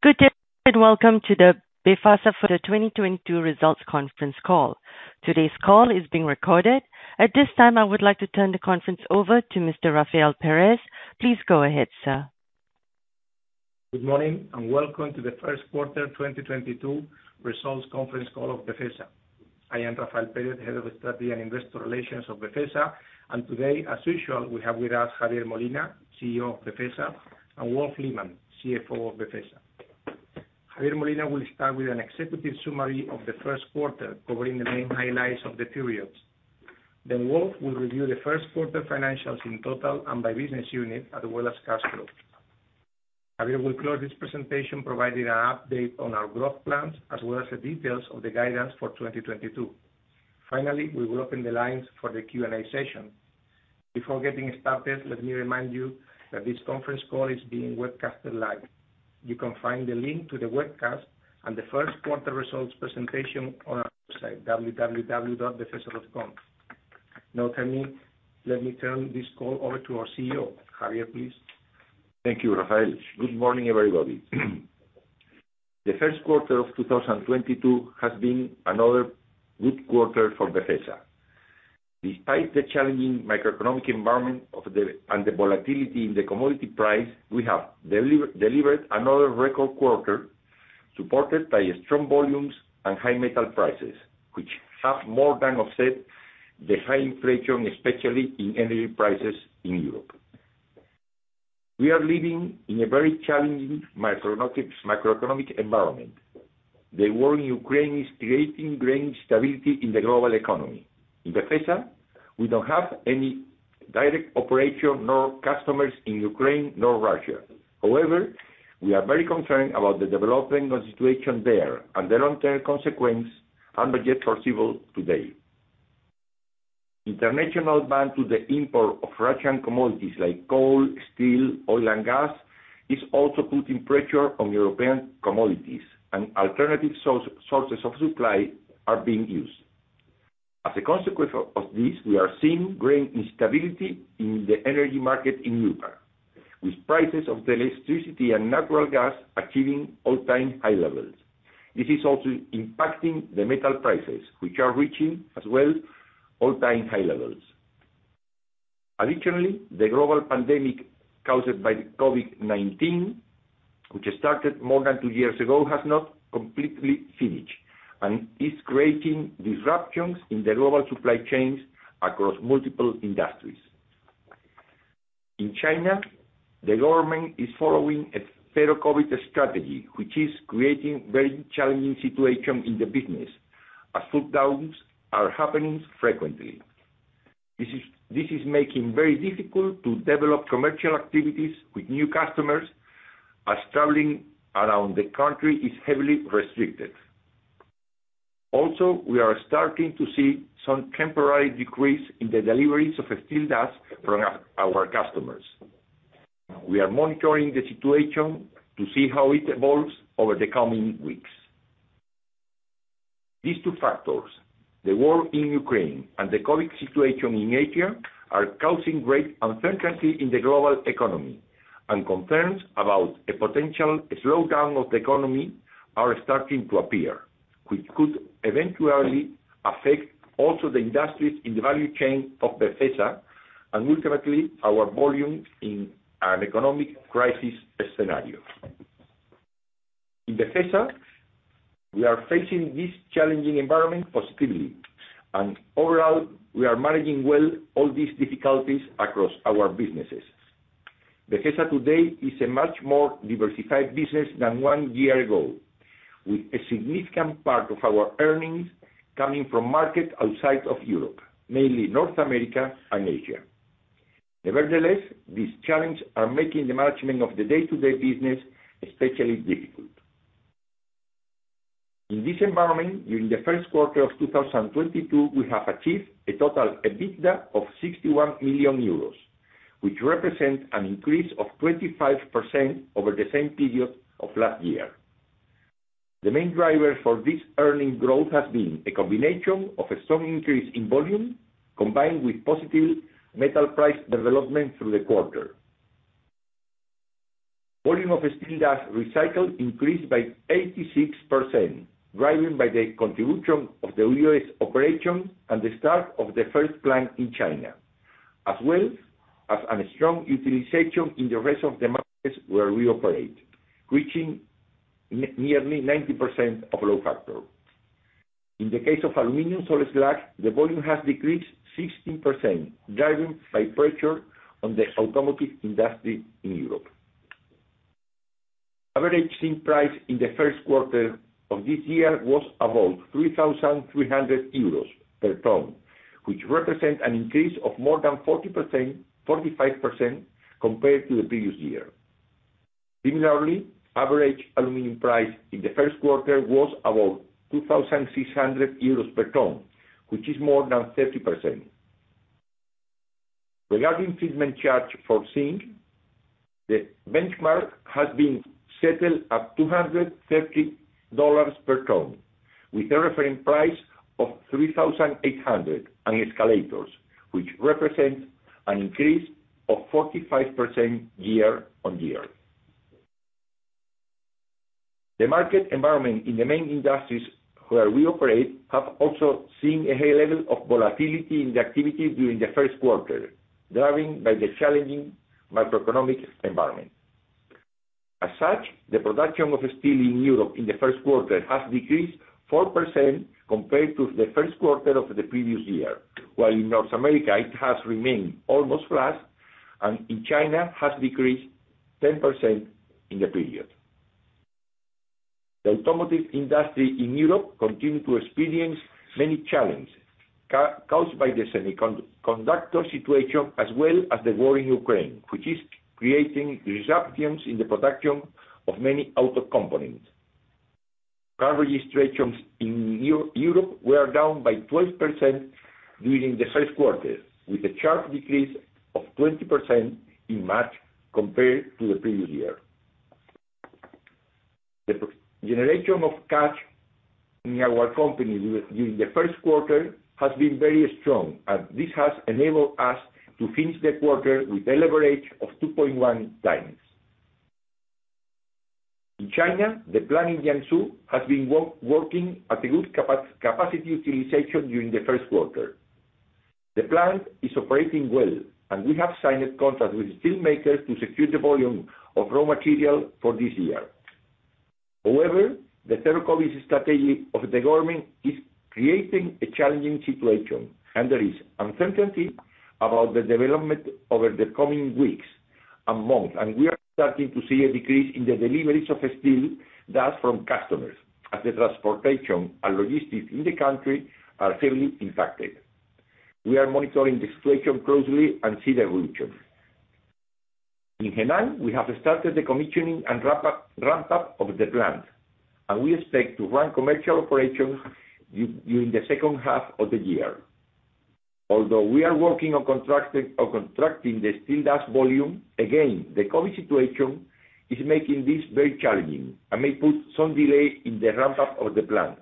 Good day, and welcome to Befesa's 2022 results conference call. Today's call is being recorded. At this time, I would like to turn the conference over to Mr. Rafael Pérez. Please go ahead, sir. Good morning, and welcome to the first quarter 2022 results conference call of Befesa. I am Rafael Pérez, Head of Strategy and Investor Relations of Befesa. Today, as usual, we have with us Javier Molina, CEO of Befesa, and Wolf Lehmann, CFO of Befesa. Javier Molina will start with an executive summary of the first quarter, covering the main highlights of the periods. Then Wolf will review the first quarter financials in total and by business unit, as well as cash flow. Javier will close this presentation providing an update on our growth plans, as well as the details of the guidance for 2022. Finally, we will open the lines for the Q&A session. Before getting started, let me remind you that this conference call is being webcasted live. You can find the link to the webcast and the first quarter results presentation on our website, www.befesa.com. Now let me turn this call over to our CEO. Javier, please. Thank you, Rafael. Good morning, everybody. The first quarter of 2022 has been another good quarter for Befesa. Despite the challenging macroeconomic environment and the volatility in the commodity price, we have delivered another record quarter supported by strong volumes and high metal prices, which have more than offset the high inflation, especially in energy prices in Europe. We are living in a very challenging macroeconomic environment. The war in Ukraine is creating great instability in the global economy. In Befesa, we don't have any direct operations, nor customers in Ukraine, nor Russia. However, we are very concerned about the development of the situation there and the long-term consequences unforeseen today. International ban on the import of Russian commodities like coal, steel, oil, and gas is also putting pressure on European commodities and alternative sources of supply are being used. As a consequence of this, we are seeing great instability in the energy market in Europe, with prices of the electricity and natural gas achieving all-time high levels. This is also impacting the metal prices, which are reaching as well all-time high levels. Additionally, the global pandemic caused by the COVID-19, which started more than two years ago, has not completely finished, and is creating disruptions in the global supply chains across multiple industries. In China, the government is following a zero-COVID strategy, which is creating very challenging situation in the business, as shutdowns are happening frequently. This is making very difficult to develop commercial activities with new customers, as traveling around the country is heavily restricted. Also, we are starting to see some temporary decrease in the deliveries of steel dust from our customers. We are monitoring the situation to see how it evolves over the coming weeks. These two factors, the war in Ukraine and the COVID situation in Asia, are causing great uncertainty in the global economy, and concerns about a potential slowdown of the economy are starting to appear, which could eventually affect also the industries in the value chain of Befesa, and ultimately our volume in an economic crisis scenario. In Befesa, we are facing this challenging environment positively, and overall, we are managing well all these difficulties across our businesses. Befesa today is a much more diversified business than one year ago, with a significant part of our earnings coming from market outside of Europe, mainly North America and Asia. Nevertheless, these challenges are making the management of the day-to-day business especially difficult. In this environment, during the first quarter of 2022, we have achieved a total EBITDA of 61 million euros, which represent an increase of 25% over the same period of last year. The main driver for this earnings growth has been a combination of a strong increase in volume combined with positive metal price development through the quarter. Volume of steel dust recycled increased by 86%, driven by the contribution of the U.S. operation and the start of the first plant in China, as well as a strong utilization in the rest of the markets where we operate, reaching nearly 90% of load factor. In the case of aluminum salt slag, the volume has decreased 16%, driven by pressure on the automotive industry in Europe. Average zinc price in the first quarter of this year was about 3,300 euros per ton, which represent an increase of more than 40%-45% compared to the previous year. Similarly, average aluminum price in the first quarter was about 2,600 euros per ton, which is more than 30%. Regarding treatment charge for zinc, the benchmark has been settled at $230 per ton with a reference price of $3,800 and escalators, which represent an increase of 45% year-on-year. The market environment in the main industries where we operate have also seen a high level of volatility in the activity during the first quarter, driven by the challenging macroeconomic environment. As such, the production of steel in Europe in the first quarter has decreased 4% compared to the first quarter of the previous year, while in North America it has remained almost flat, and in China has decreased 10% in the period. The automotive industry in Europe continue to experience many challenges caused by the semiconductor situation as well as the war in Ukraine, which is creating disruptions in the production of many auto components. Car registrations in Europe were down by 12% during the first quarter, with a sharp decrease of 20% in March compared to the previous year. The generation of cash in our company during the first quarter has been very strong, and this has enabled us to finish the quarter with a leverage of 2.1x. In China, the plant in Jiangsu has been working at a good capacity utilization during the first quarter. The plant is operating well, and we have signed a contract with the steelmakers to secure the volume of raw material for this year. However, the zero-COVID strategy of the government is creating a challenging situation, and there is uncertainty about the development over the coming weeks and months, and we are starting to see a decrease in the deliveries of steel dust from customers as the transportation and logistics in the country are heavily impacted. We are monitoring the situation closely and see the solution. In Henan, we have started the commissioning and ramp up of the plant, and we expect to run commercial operations during the second half of the year. Although we are working on contracting, or constructing the steel dust volume, again, the COVID situation is making this very challenging and may put some delay in the ramp up of the plant.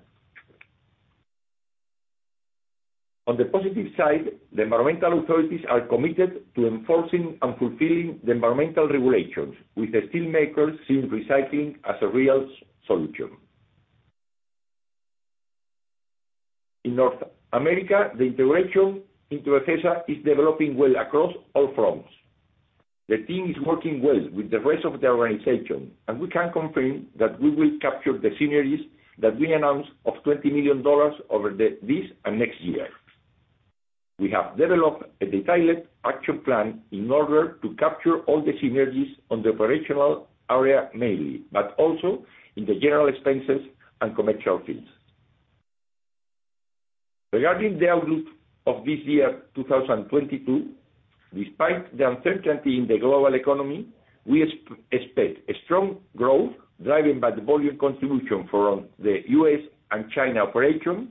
On the positive side, the environmental authorities are committed to enforcing and fulfilling the environmental regulations with the steelmakers seeing recycling as a real solution. In North America, the integration into Befesa is developing well across all fronts. The team is working well with the rest of the organization, and we can confirm that we will capture the synergies that we announced of $20 million over this and next year. We have developed a detailed action plan in order to capture all the synergies on the operational area mainly, but also in the general expenses and commercial fields. Regarding the outlook of this year, 2022, despite the uncertainty in the global economy, we expect a strong growth driven by the volume contribution from the US and China operations,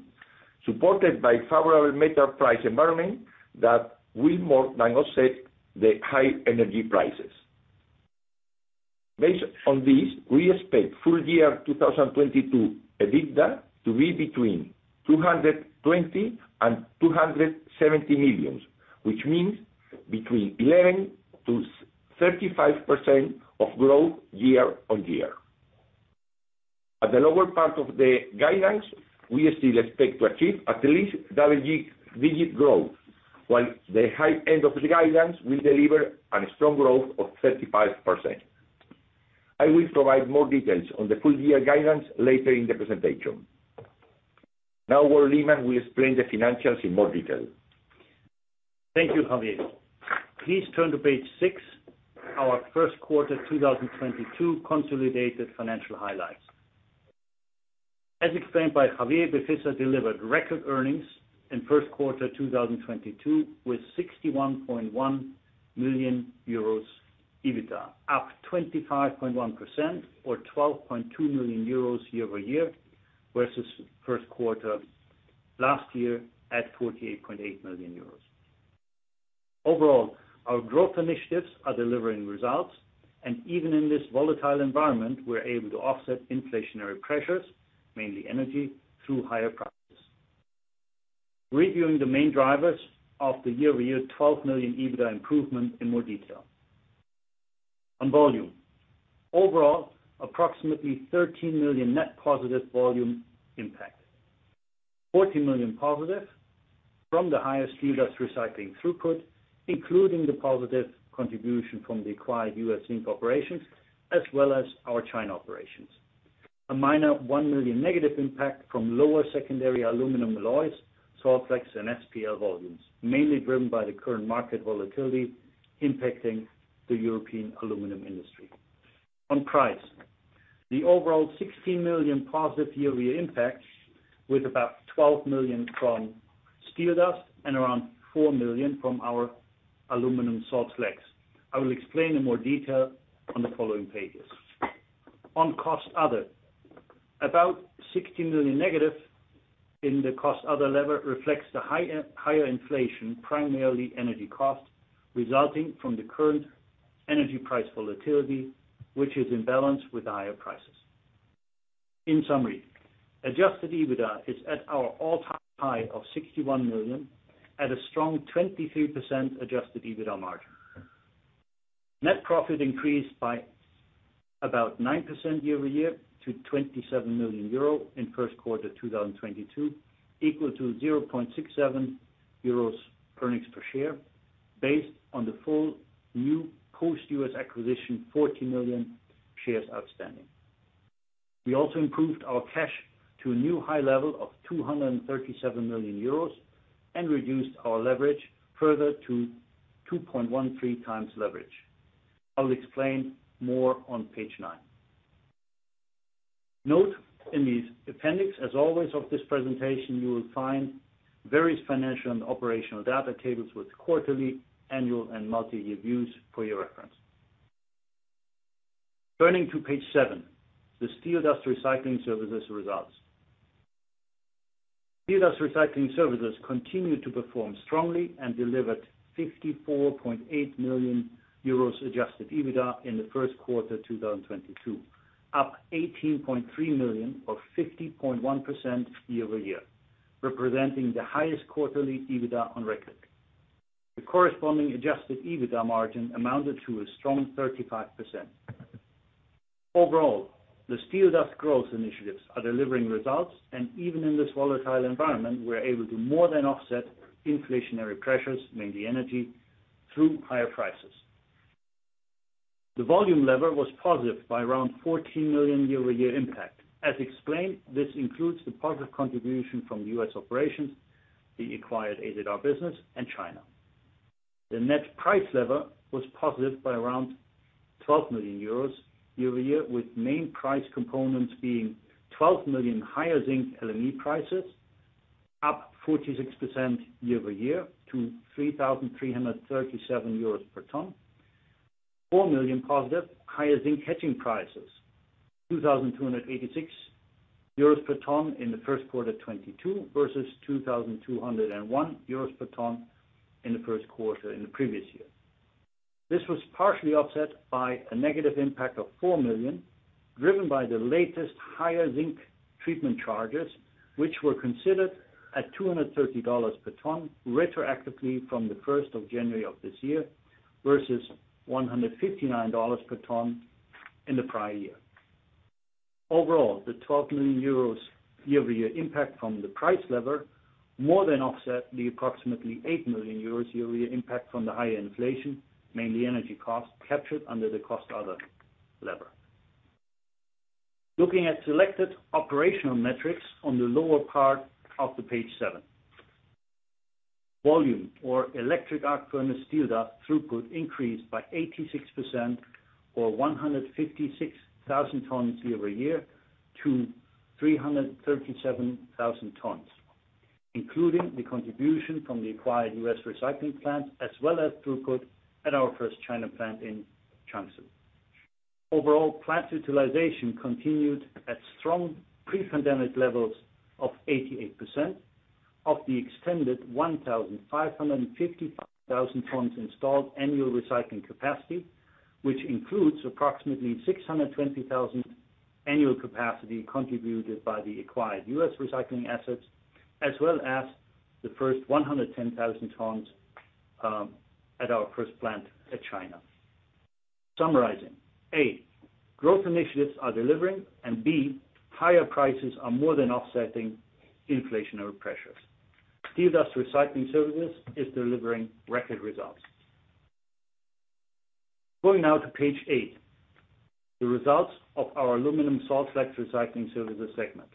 supported by favorable metal price environment that will more than offset the high energy prices. Based on this, we expect full year 2022 EBITDA to be between 220 million and 270 million, which means between 11%-35% growth year-on-year. At the lower part of the guidance, we still expect to achieve at least double-digit growth, while the high end of the guidance will deliver a strong growth of 35%. I will provide more details on the full year guidance later in the presentation. Now, Wolf Lehmann will explain the financials in more detail. Thank you, Javier. Please turn to page six, our first quarter 2022 consolidated financial highlights. As explained by Javier, Befesa delivered record earnings in first quarter 2022 with 61.1 million euros EBITDA, up 25.1% or 12.2 million euros year-over-year, versus first quarter last year at 48.8 million euros. Overall, our growth initiatives are delivering results, and even in this volatile environment, we're able to offset inflationary pressures, mainly energy, through higher prices. Reviewing the main drivers of the year-over-year 12 million EBITDA improvement in more detail. On volume, overall, approximately 13 million net positive volume impact. 14 million positive from the highest steel dust recycling throughput, including the positive contribution from the acquired US Zinc operations, as well as our China operations. A 1 million negative impact from lower secondary aluminum alloys, salt slag and SPL volumes, mainly driven by the current market volatility impacting the European aluminum industry. On price. The overall 16 million positive year-over-year impact with about 12 million from steel dust and around 4 million from our aluminum salt slag. I will explain in more detail on the following pages. On cost other. About 16 million negative. In the cost other lever reflects the higher inflation, primarily energy costs, resulting from the current energy price volatility, which is in balance with higher prices. In summary, adjusted EBITDA is at our all-time high of 61 million at a strong 23% adjusted EBITDA margin. Net profit increased by about 9% year-over-year to 27 million euro in first quarter 2022, equal to 0.67 euros earnings per share based on the full new post-US acquisition, 14 million shares outstanding. We also improved our cash to a new high level of 237 million euros and reduced our leverage further to 2.13x leverage. I'll explain more on page 9. Note in the appendix, as always of this presentation, you will find various financial and operational data tables with quarterly, annual, and multi-year views for your reference. Turning to page seven, the steel dust recycling services results. Steel dust recycling services continued to perform strongly and delivered 54.8 million euros adjusted EBITDA in the first quarter 2022, up 18.3 million or 50.1% year-over-year, representing the highest quarterly EBITDA on record. The corresponding adjusted EBITDA margin amounted to a strong 35%. Overall, the steel dust growth initiatives are delivering results, and even in this volatile environment, we're able to more than offset inflationary pressures, mainly energy through higher prices. The volume lever was positive by around 14 million year-over-year impact. As explained, this includes the positive contribution from U.S. operations, the acquired AZR business and China. The net price lever was positive by around 12 million euros year-over-year, with main price components being 12 million higher zinc LME prices, up 46% year-over-year to 3,337 euros per ton. 4 million positive higher zinc hedging prices, 2,286 euros per ton in the first quarter 2022 versus 2,201 euros per ton in the first quarter in the previous year. This was partially offset by a negative impact of 4 million, driven by the latest higher zinc treatment charges, which were considered at $230 per ton, retroactively from the first of January of this year versus $159 per ton in the prior year. Overall, the 12 million euros year-over-year impact from the price lever more than offset the approximately 8 million euros year-over-year impact from the higher inflation, mainly energy costs captured under the cost other lever. Looking at selected operational metrics on the lower part of the page seven. Volume of electric arc furnace steel dust throughput increased by 86% or 156,000 tons year-over-year to 337,000 tons, including the contribution from the acquired U.S. recycling plant, as well as throughput at our first China plant in Changzhou. Overall, plant utilization continued at strong pre-pandemic levels of 88% of the extended 1,555,000 tons installed annual recycling capacity, which includes approximately 620,000 annual capacity contributed by the acquired U.S. recycling assets, as well as the first 110,000 tons in our first plant in China. Summarizing, A, growth initiatives are delivering, and B, higher prices are more than offsetting inflationary pressures. Steel dust recycling services is delivering record results. Going now to page eight, the results of our aluminum salt slag recycling services segment.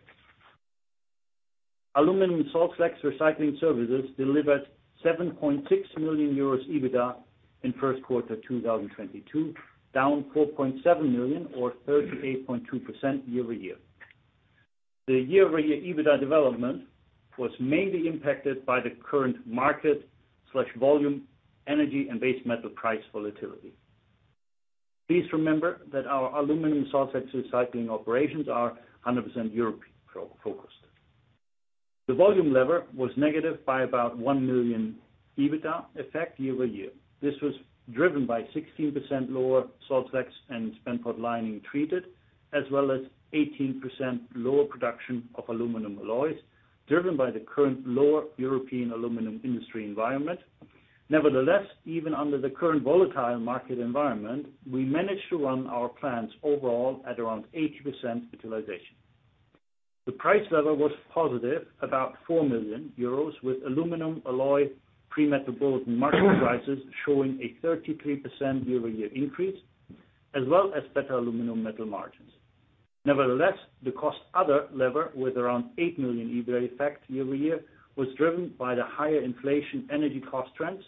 Aluminum salt slag recycling services delivered 7.6 million euros EBITDA in Q1 2022, down 4.7 million or 38.2% year-over-year. The year-over-year EBITDA development was mainly impacted by the current market volume, energy, and base metal price volatility. Please remember that our aluminum salt slag recycling operations are 100% European geo-focused. The volume lever was negative by about 1 million EBITDA effect year-over-year. This was driven by 16% lower salt slag and spent pot lining treated, as well as 18% lower production of aluminum alloys, driven by the current lower European aluminum industry environment. Nevertheless, even under the current volatile market environment, we managed to run our plants overall at around 80% utilization. The price level was positive, about 4 million euros, with aluminum alloy pre-Metal Bulletin market prices showing a 33% year-over-year increase, as well as better aluminum metal margins. Nevertheless, the cost of labor with around 8 million EBITDA effect year-over-year was driven by the higher inflationary energy cost trends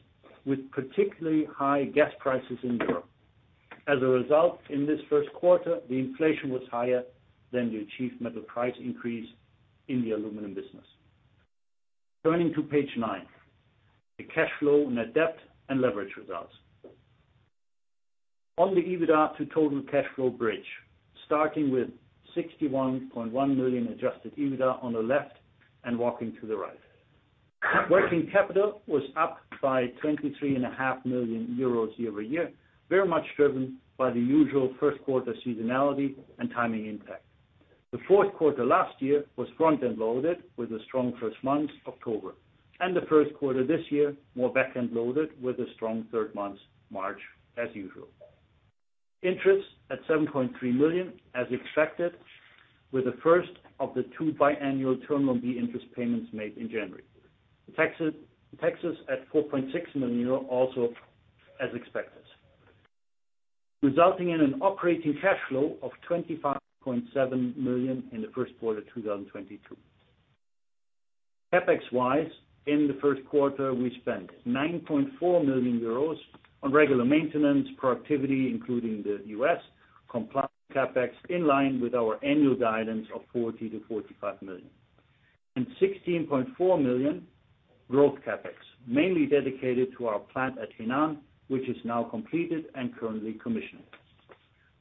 with particularly high gas prices in Europe. As a result, in this first quarter, the inflation was higher than the achieved metal price increase in the aluminum business. Turning to page nine, the cash flow, net debt, and leverage results. On the EBITDA to total cash flow bridge, starting with 61.1 million adjusted EBITDA on the left and walking to the right. Working capital was up by 23.5 million euros year-over-year, very much driven by the usual first quarter seasonality and timing impact. The fourth quarter last year was front-end loaded with a strong first month, October, and the first quarter this year, more back-end loaded with a strong third month, March as usual. Interest at 7.3 million as expected, with the first of the two biannual Term Loan B interest payments made in January. Taxes at 4.6 million euro, also as expected, resulting in an operating cash flow of 25.7 million in the first quarter 2022. CapEx-wise, in the first quarter, we spent 9.4 million euros on regular maintenance productivity, including the U.S. compliance CapEx, in line with our annual guidance of 40-45 million. 16.4 million growth CapEx, mainly dedicated to our plant at Henan, which is now completed and currently commissioned.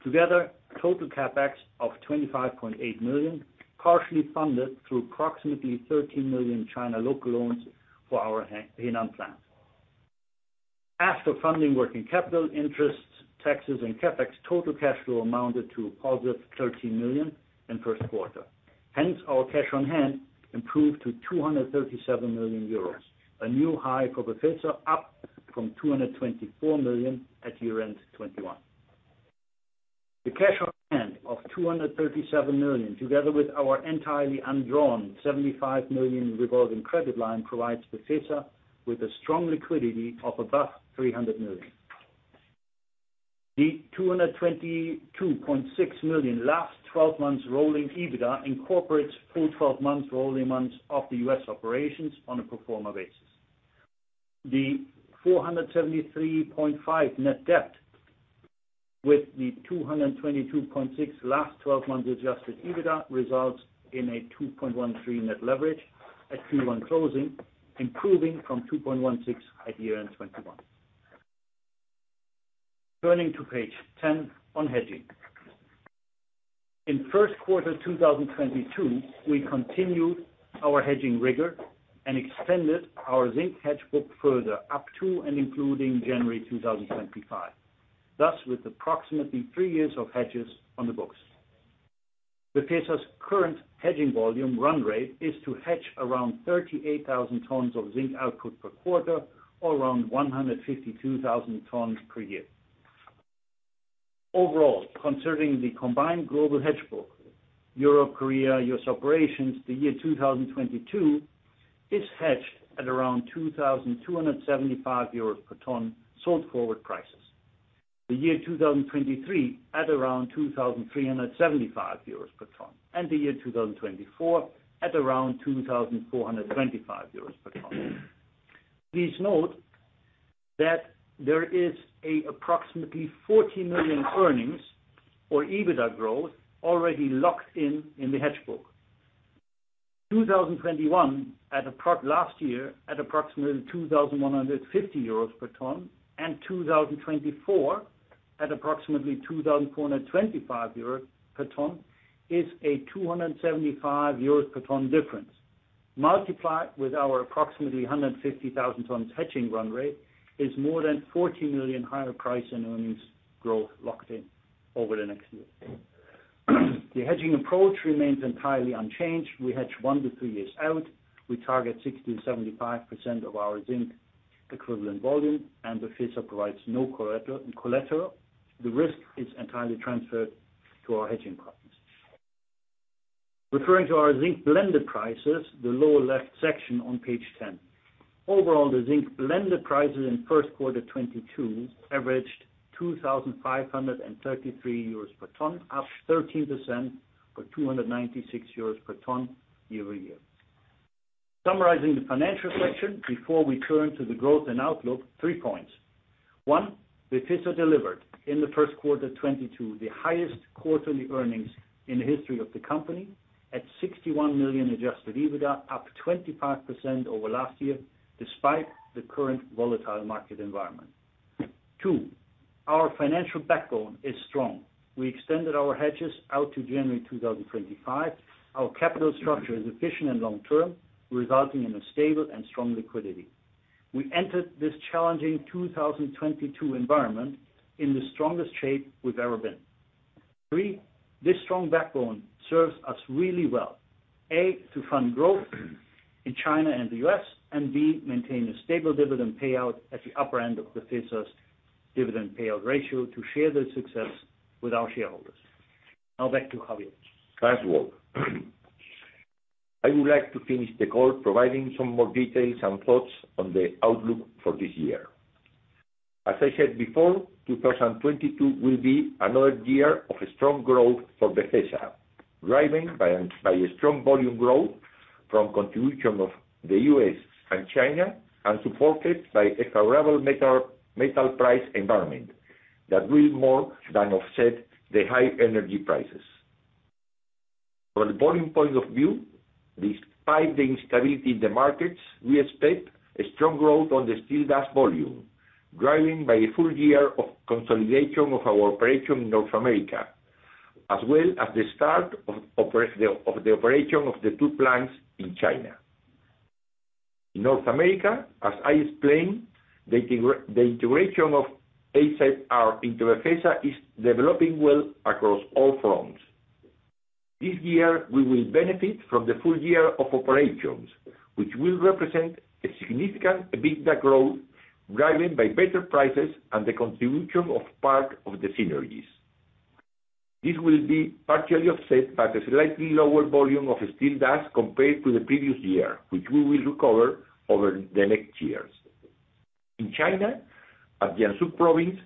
Together, total CapEx of 25.8 million, partially funded through approximately 13 million China local loans for our Henan plant. After funding working capital interests, taxes, and CapEx, total cash flow amounted to positive 13 million in first quarter. Hence, our cash on hand improved to 237 million euros, a new high for Befesa, up from 224 million at year-end 2021. The cash on hand of 237 million, together with our entirely undrawn 75 million revolving credit line, provides Befesa with a strong liquidity of above 300 million. The 222.6 million last twelve months rolling EBITDA incorporates full twelve months rolling months of the US operations on a pro forma basis. The 473.5 net debt with the 222.6 last twelve months adjusted EBITDA results in a 2.13 net leverage at Q1 closing, improving from 2.16 at year-end 2021. Turning to page 10 on hedging. In first quarter 2022, we continued our hedging rigor and extended our zinc hedge book further up to and including January 2025, thus with approximately three years of hedges on the books. Befesa's current hedging volume run rate is to hedge around 38,000 tons of zinc output per quarter or around 152,000 tons per year. Overall, considering the combined global hedge book, Europe, Korea, U.S. operations, the year 2022 is hedged at around 2,275 euros per ton sold forward prices. The year 2023 at around 2,375 euros per ton. The year 2024 at around 2,425 euros per ton. Please note that there is approximately 40 million earnings or EBITDA growth already locked in in the hedge book. 2021 last year at approximately 2,150 euros per ton, and 2024 at approximately 2,425 euros per ton is a 275 euros per ton difference. Multiply with our approximately 150,000 tons hedging run rate is more than 40 million higher price and earnings growth locked in over the next year. The hedging approach remains entirely unchanged. We hedge one to three years out. We target 60%-75% of our zinc equivalent volume, and Befesa provides no collateral. The risk is entirely transferred to our hedging partners. Referring to our zinc blended prices, the lower left section on page 10. Overall, the zinc blended prices in first quarter 2022 averaged 2,533 euros per ton, up 13% or 296 euros per ton year-over-year. Summarizing the financial section before we turn to the growth and outlook, three points. One, Befesa delivered in the first quarter 2022 the highest quarterly earnings in the history of the company at 61 million adjusted EBITDA, up 25% over last year, despite the current volatile market environment. Two, our financial backbone is strong. We extended our hedges out to January 2025. Our capital structure is efficient and long-term, resulting in a stable and strong liquidity. We entered this challenging 2022 environment in the strongest shape we've ever been. Three, this strong backbone serves us really well. A, to fund growth in China and the U.S., and B, maintain a stable dividend payout at the upper end of Befesa's dividend payout ratio to share the success with our shareholders. Now back to Javier. Thanks, Wolf. I would like to finish the call providing some more details and thoughts on the outlook for this year. As I said before, 2022 will be another year of a strong growth for Befesa, driven by a strong volume growth from contribution of the U.S. and China, and supported by a favorable metal price environment that will more than offset the high energy prices. From a volume point of view, despite the instability in the markets, we expect a strong growth on the steel dust volume, driven by a full year of consolidation of our operation in North America, as well as the start of the operation of the two plants in China. In North America, as I explained, the integration of AZR into Befesa is developing well across all fronts. This year, we will benefit from the full year of operations, which will represent a significant EBITDA growth, driven by better prices and the contribution of part of the synergies. This will be partially offset by the slightly lower volume of steel dust compared to the previous year, which we will recover over the next years. In China, at Jiangsu province,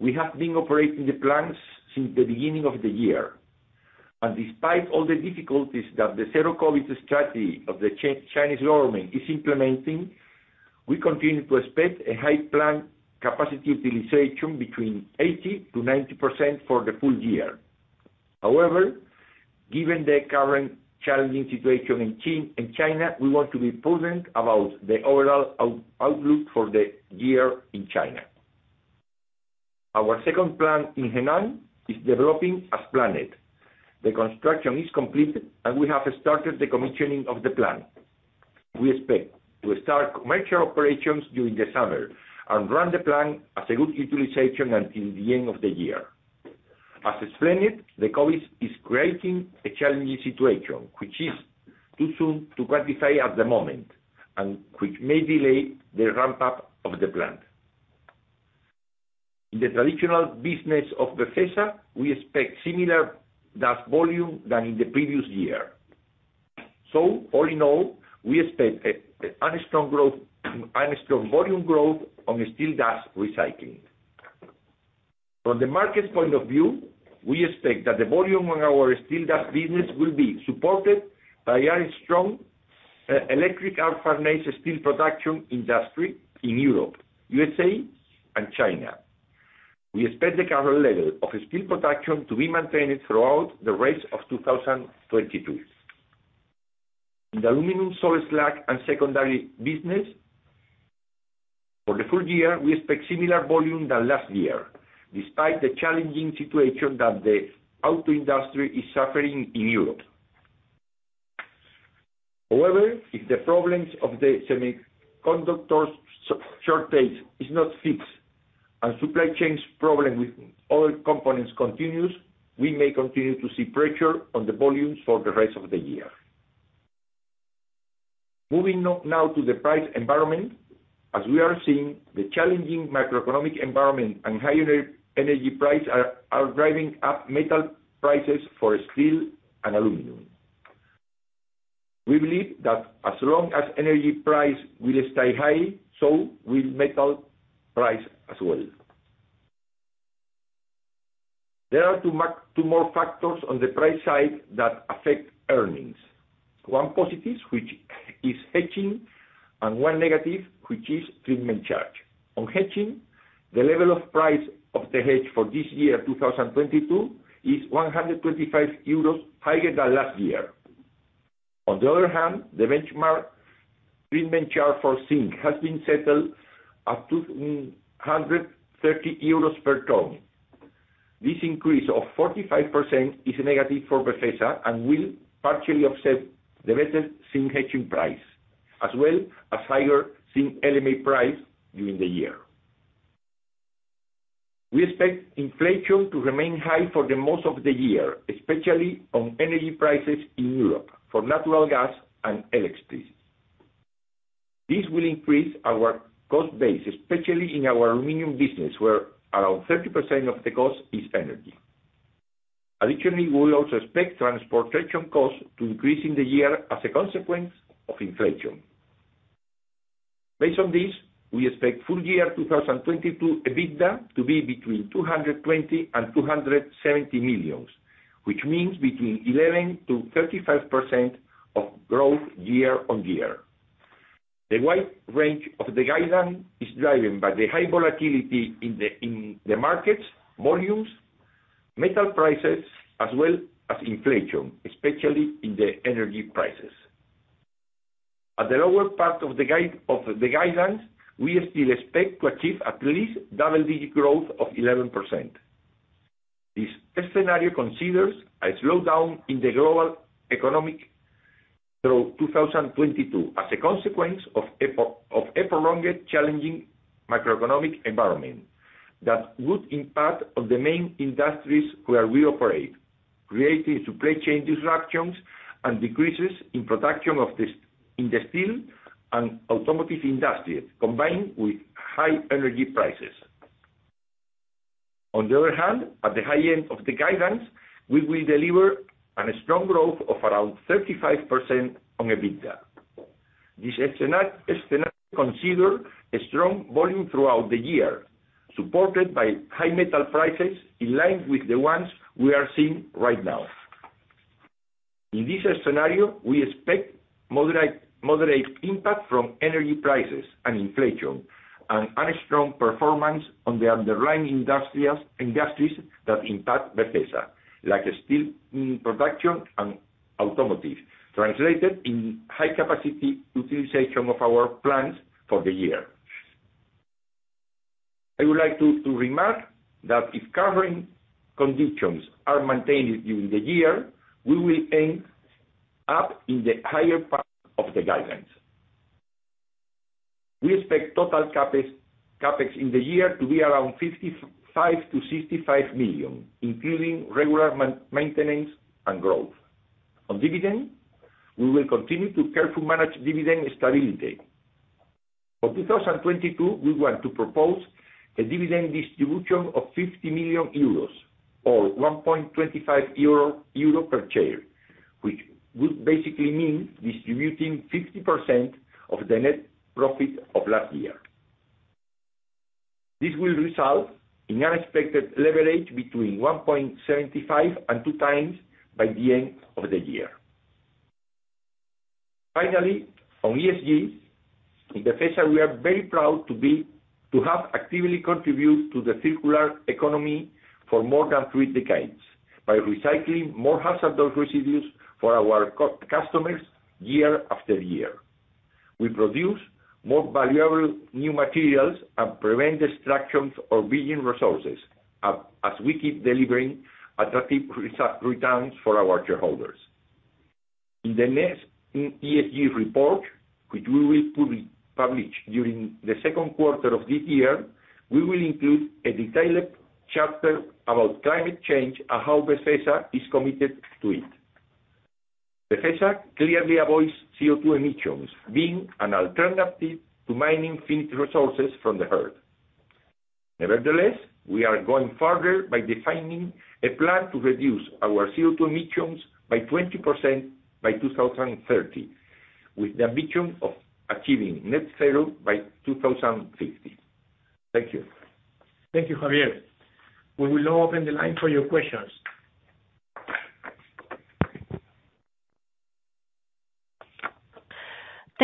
we have been operating the plants since the beginning of the year. Despite all the difficulties that the zero-COVID strategy of the Chinese government is implementing, we continue to expect a high plant capacity utilization between 80%-90% for the full year. However, given the current challenging situation in China, we want to be prudent about the overall outlook for the year in China. Our second plant in Henan is developing as planned. The construction is complete, and we have started the commissioning of the plant. We expect to start commercial operations during the summer, and run the plant at a good utilization until the end of the year. As explained, the COVID is creating a challenging situation, which is too soon to quantify at the moment, and which may delay the ramp-up of the plant. In the traditional business of Befesa, we expect similar dust volume than in the previous year. All in all, we expect an strong volume growth on the steel dust recycling. From the market point of view, we expect that the volume on our steel dust business will be supported by a strong electric arc furnace steel production industry in Europe, USA and China. We expect the current level of steel production to be maintained throughout the rest of 2022. In the aluminum salt slag and secondary business, for the full year, we expect similar volume than last year, despite the challenging situation that the auto industry is suffering in Europe. However, if the problems of the semiconductor shortage is not fixed and supply chains problem with other components continues, we may continue to see pressure on the volumes for the rest of the year. Moving now to the price environment, as we are seeing the challenging macroeconomic environment and higher energy prices are driving up metal prices for steel and aluminum. We believe that as long as energy price will stay high, so will metal price as well. There are two more factors on the price side that affect earnings. One positive, which is hedging, and one negative, which is treatment charge. On hedging, the level of price of the hedge for this year, 2022, is 125 euros higher than last year. On the other hand, the benchmark treatment charge for zinc has been settled at 230 euros per ton. This increase of 45% is negative for Befesa and will partially offset the better zinc hedging price, as well as higher zinc LME price during the year. We expect inflation to remain high for most of the year, especially on energy prices in Europe, for natural gas and electricity. This will increase our cost base, especially in our aluminum business, where around 30% of the cost is energy. Additionally, we also expect transportation costs to increase in the year as a consequence of inflation. Based on this, we expect full year 2022 EBITDA to be between 220 million and 270 million, which means 11%-35% growth year-on-year. The wide range of the guidance is driven by the high volatility in the markets, volumes, metal prices, as well as inflation, especially in the energy prices. At the lower part of the guidance, we still expect to achieve at least double-digit growth of 11%. This scenario considers a slowdown in the global economy through 2022 as a consequence of a prolonged challenging macroeconomic environment that would impact on the main industries where we operate, creating supply chain disruptions and decreases in production in the steel and automotive industry, combined with high energy prices. On the other hand, at the high end of the guidance, we will deliver a strong growth of around 35% on EBITDA. This scenario consider a strong volume throughout the year, supported by high metal prices in line with the ones we are seeing right now. In this scenario, we expect moderate impact from energy prices and inflation and a strong performance on the underlying industries that impact Befesa, like steel production and automotive, translated in high capacity utilization of our plants for the year. I would like to remark that if current conditions are maintained during the year, we will end up in the higher part of the guidance. We expect total CapEx in the year to be around 55-65 million, including regular maintenance and growth. On dividend, we will continue to carefully manage dividend stability. For 2022, we want to propose a dividend distribution of 50 million euros or 1.25 euro per share, which would basically mean distributing 50% of the net profit of last year. This will result in expected leverage between 1.75x and 2x by the end of the year. Finally, on ESG, in Befesa we are very proud to have actively contribute to the circular economy for more than three decades by recycling more hazardous residues for our customers year after year. We produce more valuable new materials and prevent the extractions of billions of resources as we keep delivering attractive returns for our shareholders. In the next ESG report, which we will publish during the second quarter of this year, we will include a detailed chapter about climate change and how Befesa is committed to it. Befesa clearly avoids CO2 emissions being an alternative to mining finite resources from the earth. Nevertheless, we are going further by defining a plan to reduce our CO2 emissions by 20% by 2030, with the ambition of achieving net zero by 2050. Thank you. Thank you, Javier. We will now open the line for your questions.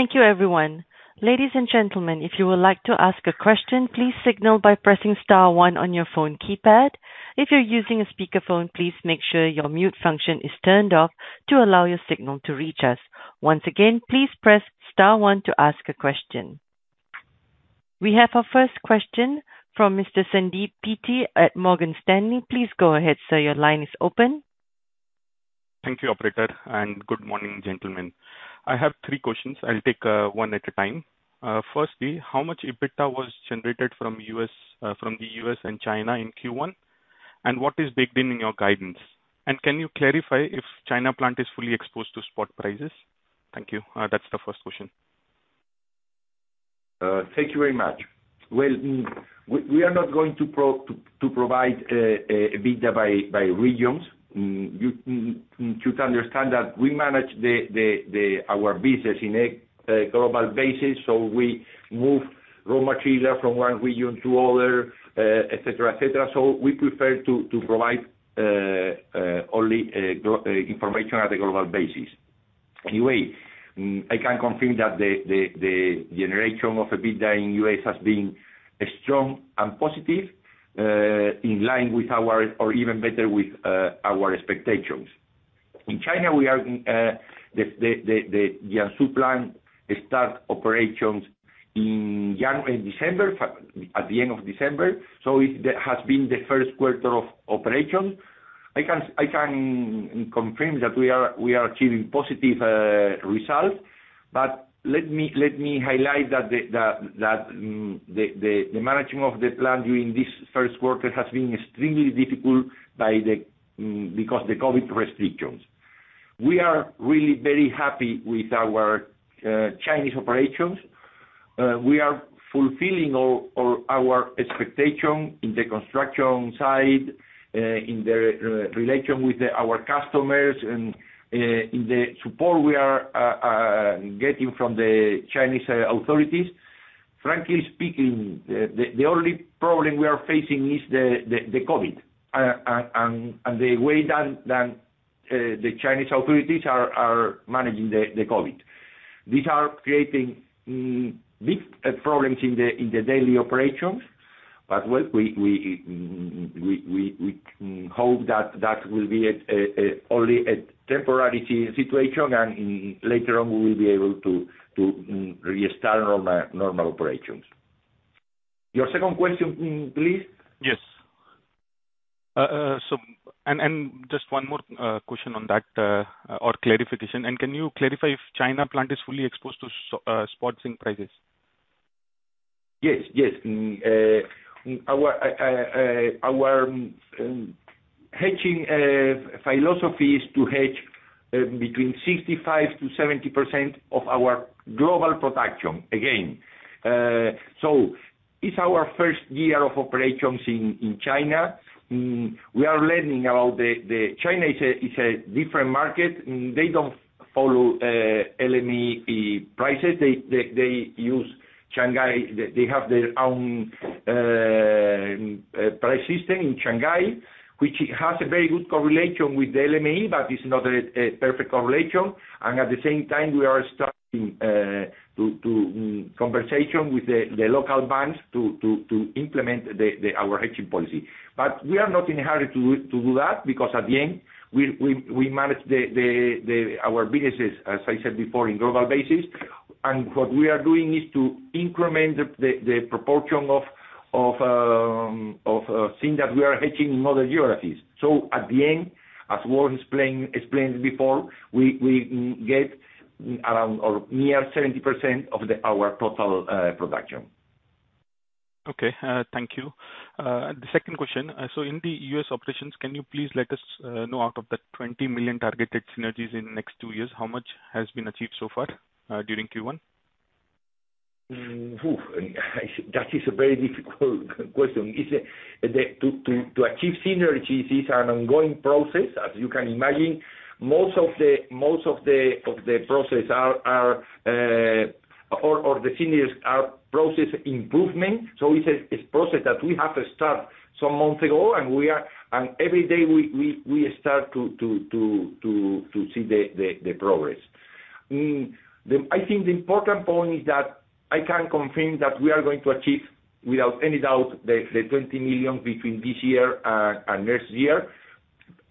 Thank you, everyone. Ladies and gentlemen, if you would like to ask a question, please signal by pressing star one on your phone keypad. If you're using a speakerphone, please make sure your mute function is turned off to allow your signal to reach us. Once again, please press star one to ask a question. We have our first question from Mr. Sandeep Pitti at Morgan Stanley. Please go ahead, sir. Your line is open. Thank you, operator, and good morning, gentlemen. I have three questions. I'll take one at a time. Firstly, how much EBITDA was generated from the U.S. and China in Q1? And what is baked in your guidance? And can you clarify if China plant is fully exposed to spot prices? Thank you. That's the first question. Thank you very much. Well, we are not going to provide EBITDA by regions. You need to understand that we manage our business on a global basis, so we move raw material from one region to another, et cetera, et cetera. We prefer to provide only information on a global basis. Anyway, I can confirm that the generation of EBITDA in U.S. has been strong and positive, in line with our or even better with our expectations. In China, the Jiangsu plant started operations at the end of December. That has been the first quarter of operation. I can confirm that we are achieving positive results. Let me highlight that the management of the plant during this first quarter has been extremely difficult because the COVID restrictions. We are really very happy with our Chinese operations. We are fulfilling all our expectations in the construction side, in the relationship with our customers and in the support we are getting from the Chinese authorities. Frankly speaking, the only problem we are facing is the COVID and the way that the Chinese authorities are managing the COVID. These are creating big problems in the daily operations. Well, we hope that will be only a temporary situation, and later on, we will be able to restart our normal operations. Your second question, please. Yes. Just one more question on that, or clarification. Can you clarify if China plant is fully exposed to spot zinc prices? Yes. Our hedging philosophy is to hedge between 65%-70% of our global production again. It's our first year of operations in China. We are learning about China. It is a different market. They don't follow LME prices. They have their own price system in Shanghai, which has a very good correlation with the LME, but it's not a perfect correlation. At the same time, we are starting a conversation with the local banks to implement our hedging policy. We are not in a hurry to do that because at the end, we manage our businesses, as I said before, on a global basis. What we are doing is to increment the proportion of things that we are hedging in other geographies. At the end, as Juan explained before, we get around or near 70% of our total production. Okay. Thank you. The second question. In the U.S. operations, can you please let us know out of that 20 million targeted synergies in the next two years, how much has been achieved so far during Q1? That is a very difficult question. To achieve synergies is an ongoing process, as you can imagine. Most of the process are the synergies are process improvement. It's process that we have to start some months ago, and every day we start to see the progress. I think the important point is that I can confirm that we are going to achieve, without any doubt, the 20 million between this year and next year.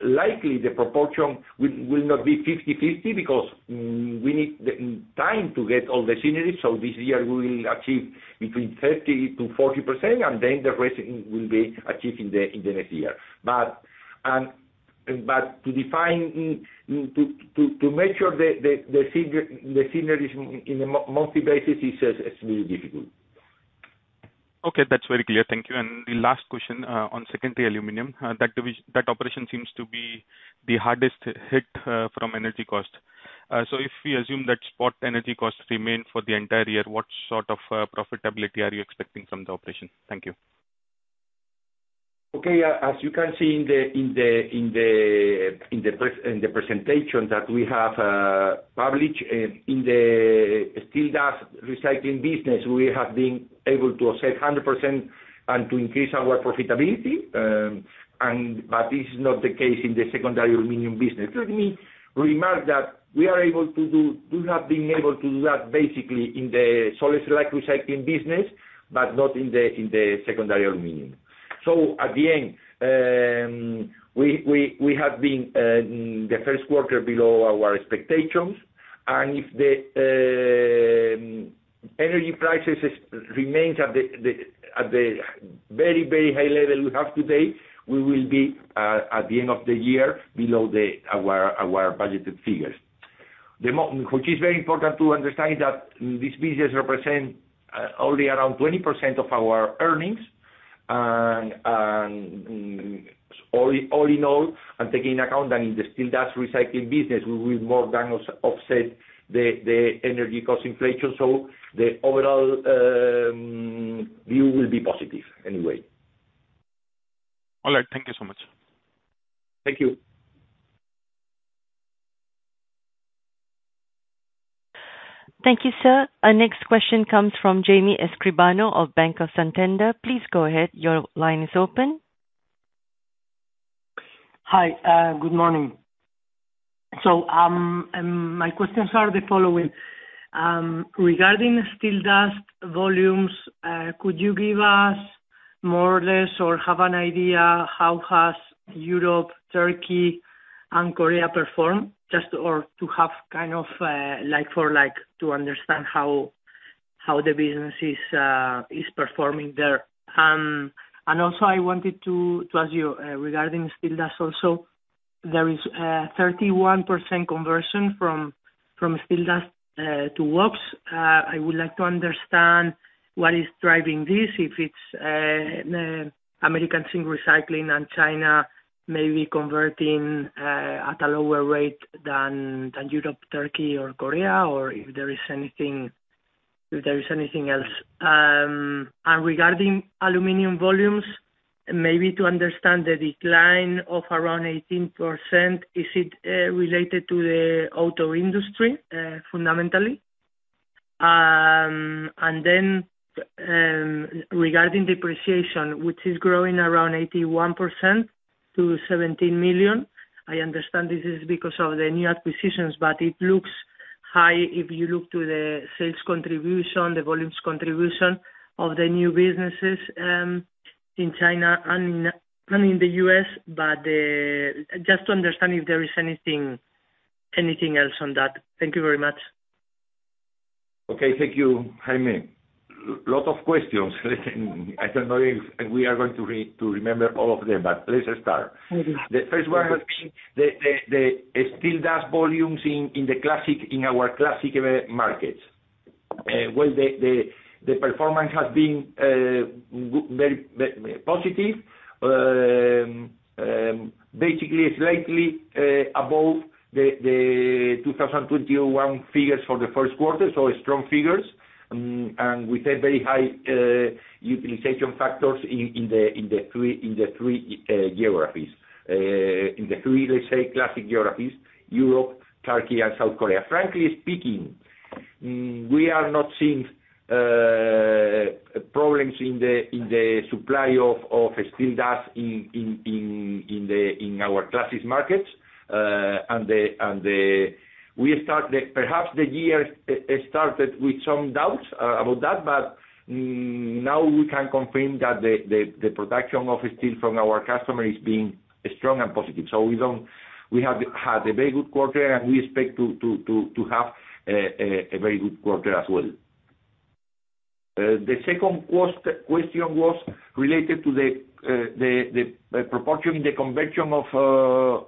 Likely, the proportion will not be 50/50 because we need the time to get all the synergies. This year we will achieve between 30%-40%, and then the rest will be achieved in the next year. To make sure the synergies in a monthly basis is really difficult. Okay. That's very clear. Thank you. The last question on secondary aluminum. That operation seems to be the hardest hit from energy costs. If we assume that spot energy costs remain for the entire year, what sort of profitability are you expecting from the operation? Thank you. Okay. As you can see in the presentation that we have published, in the steel dust recycling business, we have been able to offset 100% and to increase our profitability. This is not the case in the secondary aluminum business. Let me remark that we have been able to do that basically in the steel dust recycling business, but not in the secondary aluminum. At the end, we have been in the first quarter below our expectations. If the energy prices remains at the very high level we have today, we will be at the end of the year below our budgeted figures. Which is very important to understand that these businesses represent only around 20% of our earnings. All in all, taking into account that in the steel dust recycling business, we will more than offset the energy cost inflation. The overall view will be positive anyway. All right. Thank you so much. Thank you. Thank you, sir. Our next question comes from Jaime Escribano of Banco Santander. Please go ahead. Your line is open. Hi. Good morning. My questions are the following. Regarding steel dust volumes, could you give us more or less or have an idea how has Europe, Turkey, and Korea performed? Just to have kind of like for like to understand how the business is performing there. I wanted to ask you regarding steel dust also. There is 31% conversion from steel dust to WOX. I would like to understand what is driving this, if it's American steel recycling and China maybe converting at a lower rate than Europe, Turkey, or Korea, or if there is anything else. Regarding aluminum volumes, maybe to understand the decline of around 18%, is it related to the auto industry fundamentally? Regarding depreciation, which is growing around 81% to 17 million, I understand this is because of the new acquisitions. It looks high if you look to the sales contribution, the volumes contribution of the new businesses in China and in the U.S. Just to understand if there is anything else on that. Thank you very much. Okay. Thank you, Jaime. Lots of questions. Listen, I don't know if we are going to remember all of them, but let's start. Okay. The first one has been the steel dust volumes in our classic markets. Well, the performance has been very, very positive. Basically, slightly above the 2021 figures for the first quarter, so strong figures. With a very high utilization factors in the three geographies. In the three, let's say, classic geographies, Europe, Turkey and South Korea. Frankly speaking, we are not seeing problems in the supply of steel dust in our classic markets. And the Perhaps the year, it started with some doubts about that, but now we can confirm that the production of steel from our customer is being strong and positive. We have had a very good quarter, and we expect to have a very good quarter as well. The second question was related to the proportion in the conversion of...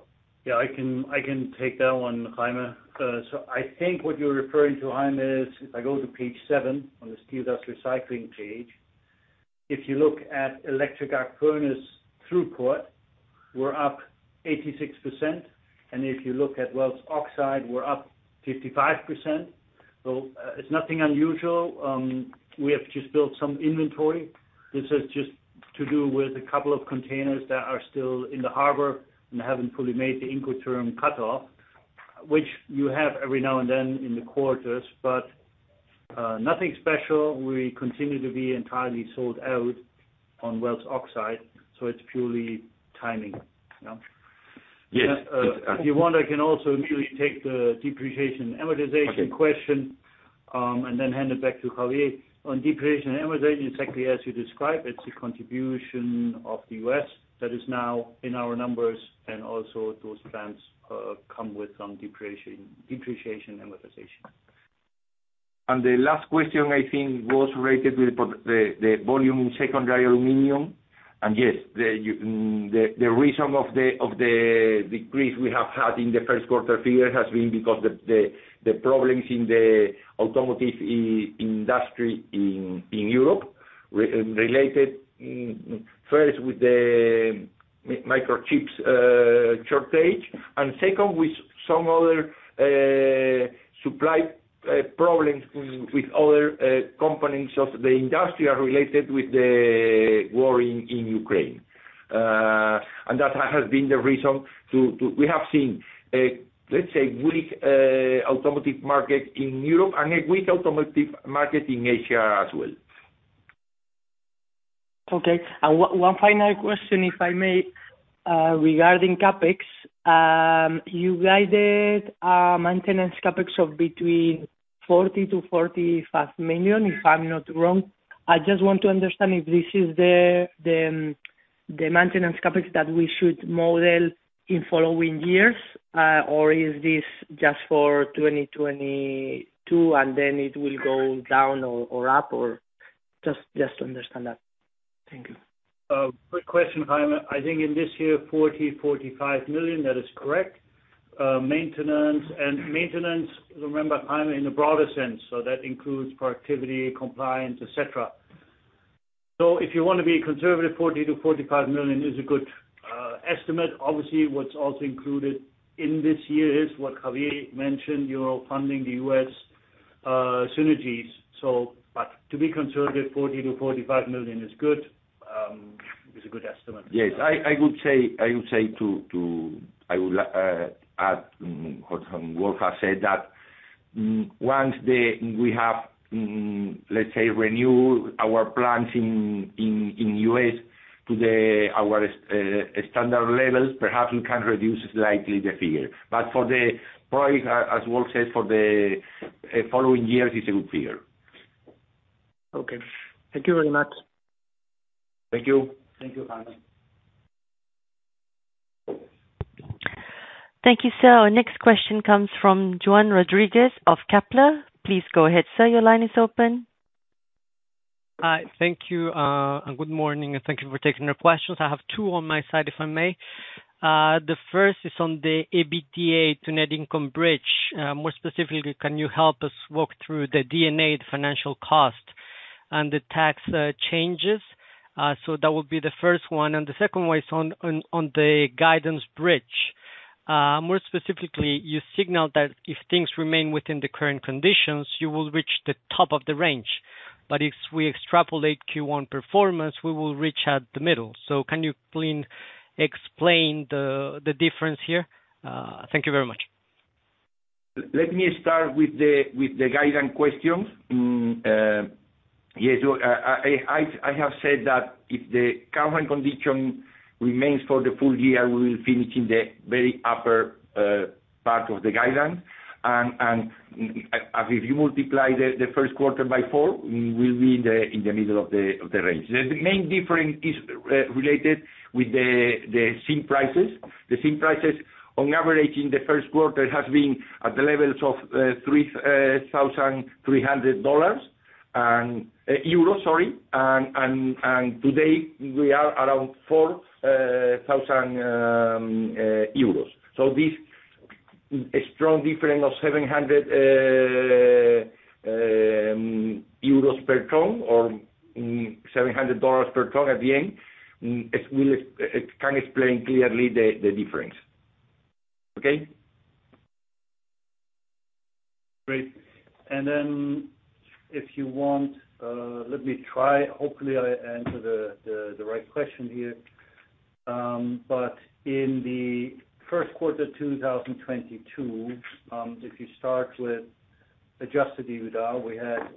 I can take that one, Jaime. I think what you're referring to, Jaime, is if I go to page seven on the steel dust recycling page, if you look at electric arc furnace throughput, we're up 86%, and if you look at Waelz oxide, we're up 55%. It's nothing unusual. We have just built some inventory. This is just to do with a couple of containers that are still in the harbor and haven't fully made the Incoterms cutoff, which you have every now and then in the quarters. Nothing special, we continue to be entirely sold out on Waelz oxide, so it's purely timing. Yeah. Yes. If you want, I can also immediately take the depreciation and amortization question. Okay. Hand it back to Javier. On depreciation and amortization, exactly as you described, it's the contribution of the U.S. that is now in our numbers and also those plants come with some depreciation and amortization. The last question, I think, was related with the volume in secondary aluminum. Yes, the reason of the decrease we have had in the first quarter figure has been because the problems in the automotive industry in Europe related, first with the microchip shortage, and second with some other supply problems with other companies of the industry are related with the war in Ukraine. That has been the reason. We have seen a, let's say, weak automotive market in Europe and a weak automotive market in Asia as well. Okay. One final question, if I may, regarding CapEx. You guided a maintenance CapEx of between 40 million-45 million, if I'm not wrong. I just want to understand if this is the maintenance CapEx that we should model in following years, or is this just for 2022 and then it will go down or up? Or just to understand that. Thank you. Good question, Jaime. I think in this year, 40 million-45 million, that is correct. Maintenance, remember, Jaime, in the broader sense, so that includes productivity, compliance, et cetera. If you wanna be conservative, 40 million-45 million is a good estimate. Obviously, what's also included in this year is what Javier mentioned, you know, funding the U.S. synergies. But to be conservative, 40 million-45 million is a good estimate. Yes. I would say to add what Wolf has said that once we have, let's say, renew our plans in U.S. to our standard levels, perhaps we can reduce slightly the figure. For the price, as Wolf said, for the following years, it's a good figure. Okay. Thank you very much. Thank you. Thank you, Jaime. Thank you, sir. Our next question comes from Juan Rodriguez of Kepler. Please go ahead, sir. Your line is open. Hi. Thank you and good morning, and thank you for taking the questions. I have two on my side, if I may. The first is on the EBITDA to net income bridge. More specifically, can you help us walk through the D&A, the financial cost and the tax changes? That would be the first one. The second one is on the guidance bridge. More specifically, you signaled that if things remain within the current conditions, you will reach the top of the range. If we extrapolate Q1 performance, we will reach at the middle. Can you please explain the difference here? Thank you very much. Let me start with the guidance question. Yes, I have said that if the current condition remains for the full year, we will finish in the very upper part of the guidance. If you multiply the first quarter by four, we will be in the middle of the range. The main difference is related with the zinc prices. The zinc prices on average in the first quarter have been at the levels of EUR 3,300. Today we are around 4,000 euros. This, a strong difference of 700 euros per ton or $700 per ton at the end, can explain clearly the difference. Okay. Great. In the first quarter 2022, if you start with adjusted EBITDA, we had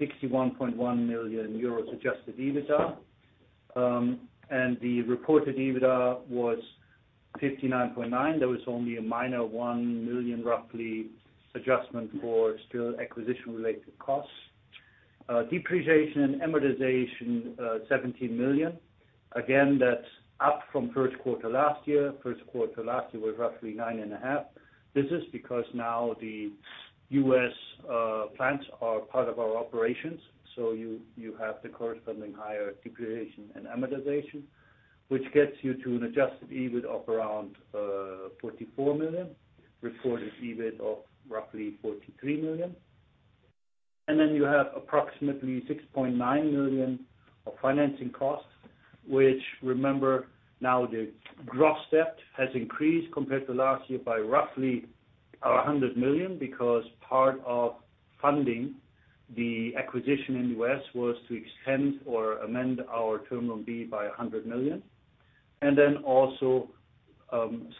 61.1 million euros adjusted EBITDA. The reported EBITDA was 59.9 million. There was only a minor roughly 1 million adjustment for still acquisition related costs. Depreciation and amortization, 17 million. Again, that's up from first quarter last year. First quarter last year was roughly 9.5 million. This is because now the U.S. plants are part of our operations, so you have the corresponding higher depreciation and amortization, which gets you to an adjusted EBIT of around 44 million. Reported EBIT of roughly 43 million. You have approximately 6.9 million of financing costs, which remember now the gross debt has increased compared to last year by roughly 100 million because part of funding the acquisition in the U.S. was to extend or amend our Term Loan B by 100 million.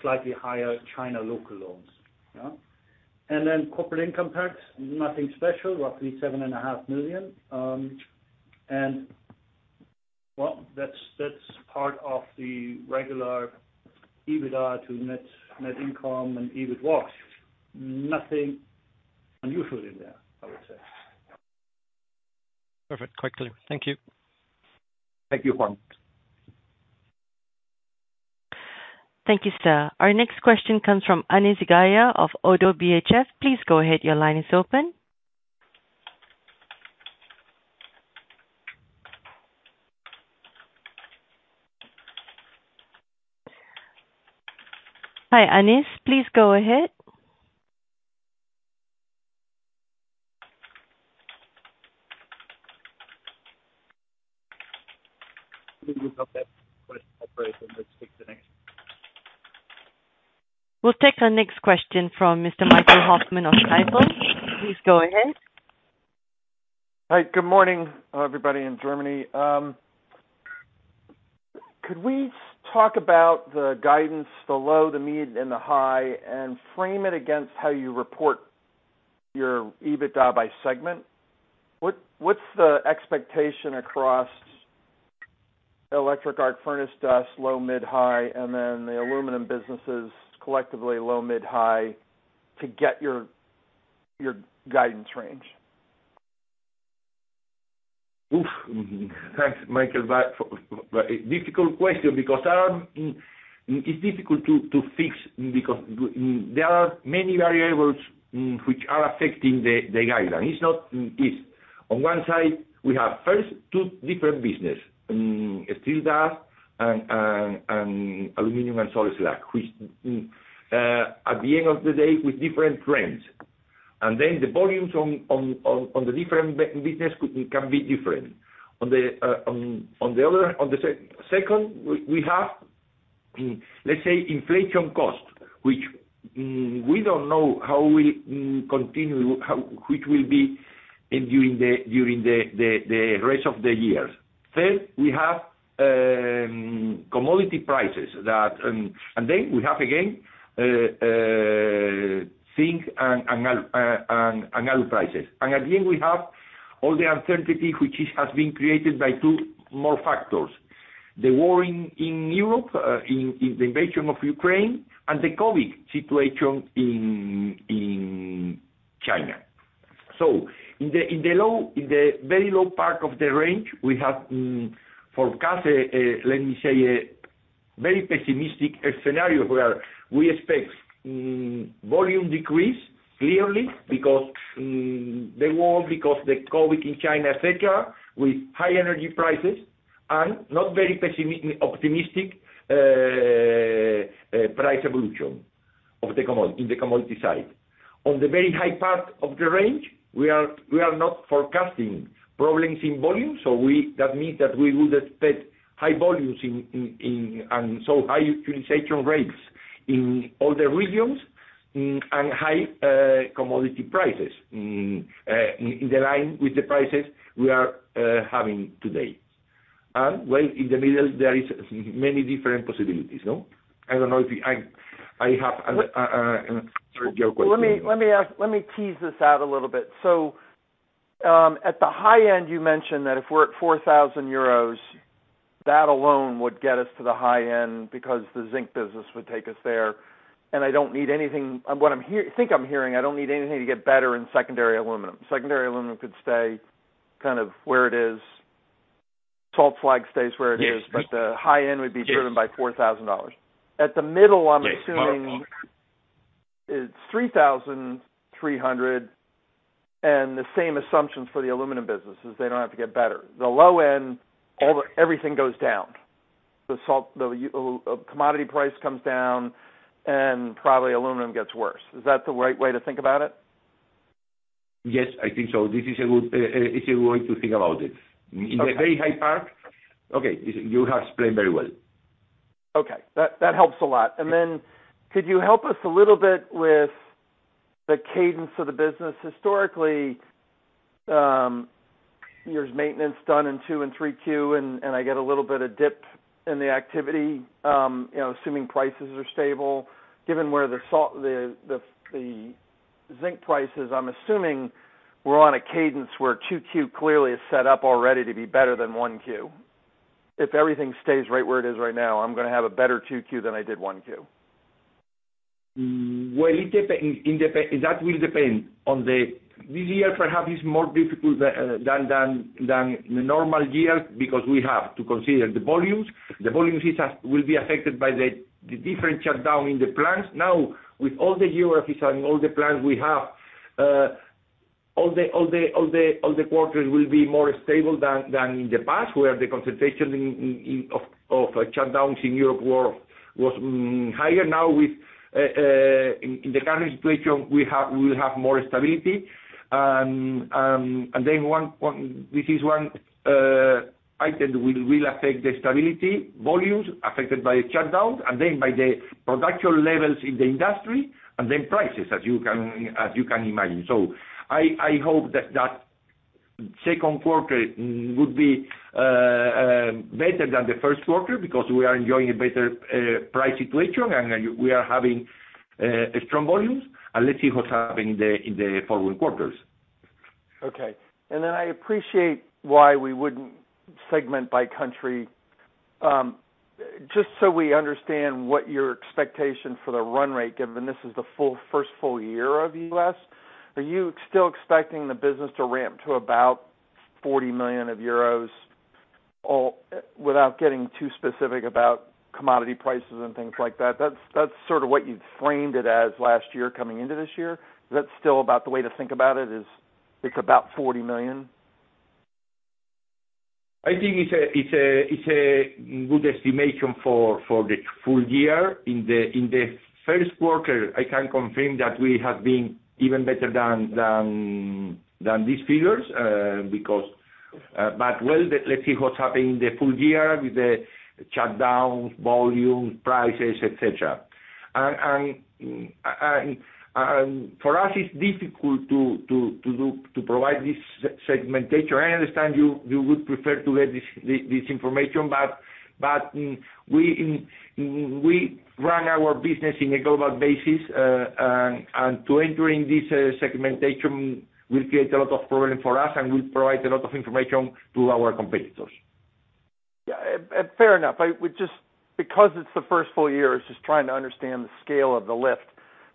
Slightly higher China local loans. Corporate income tax, nothing special, roughly 7.5 million. That's part of the regular EBITDA to net income and EBIT wash. Nothing unusual in there, I would say. Perfect. Quite clear. Thank you. Thank you, Juan. Thank you, sir. Our next question comes from Anis Zgaya of ODDO BHF. Please go ahead. Your line is open. Hi, Anis. Please go ahead. We'll take the next question from Mr. Michael Hoffman of Stifel. Please go ahead. Hi. Good morning, everybody in Germany. Could we talk about the guidance, the low, the mid, and the high, and frame it against how you report your EBITDA by segment? What's the expectation across electric arc furnace dust, low, mid, high, and then the aluminum businesses, collectively low, mid, high to get your guidance range? Oof. Thanks, Michael. It's a difficult question because it's difficult to fix because there are many variables which are affecting the guidance. It's not easy. On one side, we have two different businesses, steel dust and aluminum salt slag, which at the end of the day have different trends. Then the volumes on the different businesses can be different. On the second, we have, let's say, inflation cost which we don't know how it will continue during the rest of the year. Third, we have commodity prices. Then we have again zinc and aluminum prices. Again, we have all the uncertainty which has been created by two more factors, the war in Europe, the invasion of Ukraine and the COVID situation in China. In the very low part of the range, we have forecast a very pessimistic scenario where we expect volume decrease clearly because the war, because the COVID in China et cetera, with high energy prices and not very optimistic price evolution in the commodity side. On the very high part of the range, we are not forecasting problems in volume, that means that we would expect high volumes in. High utilization rates in all the regions, and high commodity prices in line with the prices we are having today. In the middle, there is many different possibilities. No? I don't know if you I have an- Let- Answer your question. Let me tease this out a little bit. At the high end, you mentioned that if we're at 4,000 euros, that alone would get us to the high end because the zinc business would take us there. What I think I'm hearing, I don't need anything to get better in secondary aluminum. Secondary aluminum could stay kind of where it is. Salt slag stays where it is. Yes. The high end would be. Yes. -driven by $4,000. At the middle, I'm assuming- Yes. It's 3,300. The same assumptions for the aluminum business is they don't have to get better. The low end, everything goes down. Commodity price comes down and probably aluminum gets worse. Is that the right way to think about it? Yes, I think so. It's a good way to think about it. Okay. In the very high part. Okay. You have explained very well. Okay. That helps a lot. Then could you help us a little bit with the cadence of the business? Historically, there's maintenance done in two and three Q, and I get a little bit of dip in the activity, you know, assuming prices are stable. Given where the zinc price is, I'm assuming we're on a cadence where two Q clearly is set up already to be better than one Q. If everything stays right where it is right now, I'm gonna have a better two Q than I did one Q. Well, that will depend on the. This year, perhaps, is more difficult than the normal year because we have to consider the volumes. The volumes will be affected by the different shutdowns in the plants. Now, with all the year, with having all the plants we have, all the quarters will be more stable than in the past, where the concentration of shutdowns in Europe was higher. Now, in the current situation, we will have more stability. This is one item that will affect the stability, volumes affected by a shutdown, and then by the production levels in the industry, and then prices, as you can imagine. I hope that second quarter would be better than the first quarter because we are enjoying a better price situation, and we are having strong volumes. Let's see what's happening in the following quarters. Okay. I appreciate why we wouldn't segment by country. Just so we understand what your expectation for the run rate, given this is the first full year of U.S., are you still expecting the business to ramp to about 40 million euros or without getting too specific about commodity prices and things like that? That's what you framed it as last year coming into this year. Is that still the way to think about it, is it 40 million? I think it's a good estimation for the full year. In the first quarter, I can confirm that we have been even better than these figures because. Well, let's see what's happening in the full year with the shutdowns, volumes, prices, et cetera. For us, it's difficult to provide this segmentation. I understand you would prefer to have this information, but we run our business on a global basis. Entering this segmentation will create a lot of problems for us, and will provide a lot of information to our competitors. Yeah. Fair enough. Because it's the first full year, I was just trying to understand the scale of the lift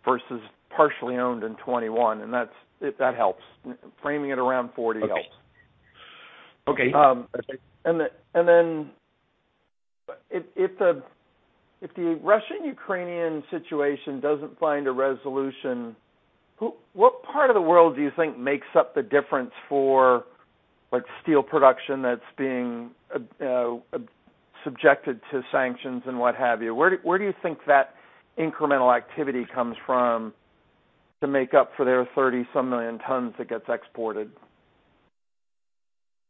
versus partially owned in 2021, and that's, if that helps. Framing it around 40 helps. Okay. Okay. If the Russian-Ukrainian situation doesn't find a resolution, what part of the world do you think makes up the difference for like steel production that's being subjected to sanctions and what have you? Where do you think that incremental activity comes from to make up for their 30-some million tons that gets exported?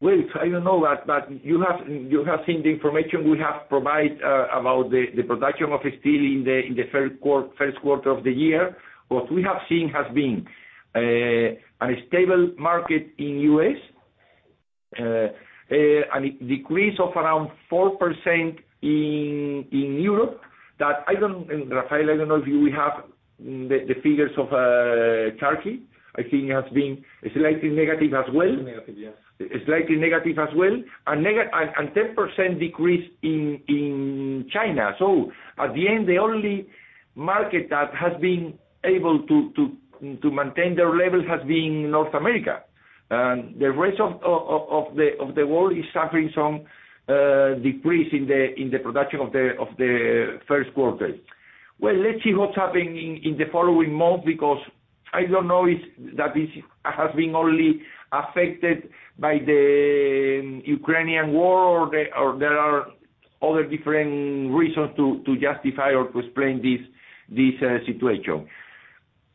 Well, I don't know that, but you have seen the information we have provided about the production of steel in the first quarter of the year. What we have seen has been a stable market in the U.S. and a decrease of around 4% in Europe. I don't know if you have the figures for Turkey. I think it has been slightly negative as well. Slightly negative, yes. Slightly negative as well. 10% decrease in China. At the end, the only market that has been able to maintain their levels has been North America. The rest of the world is suffering some decrease in the production of the first quarter. Well, let's see what's happening in the following months because I don't know if that has been only affected by the Ukrainian war or there are other different reasons to justify or to explain this situation.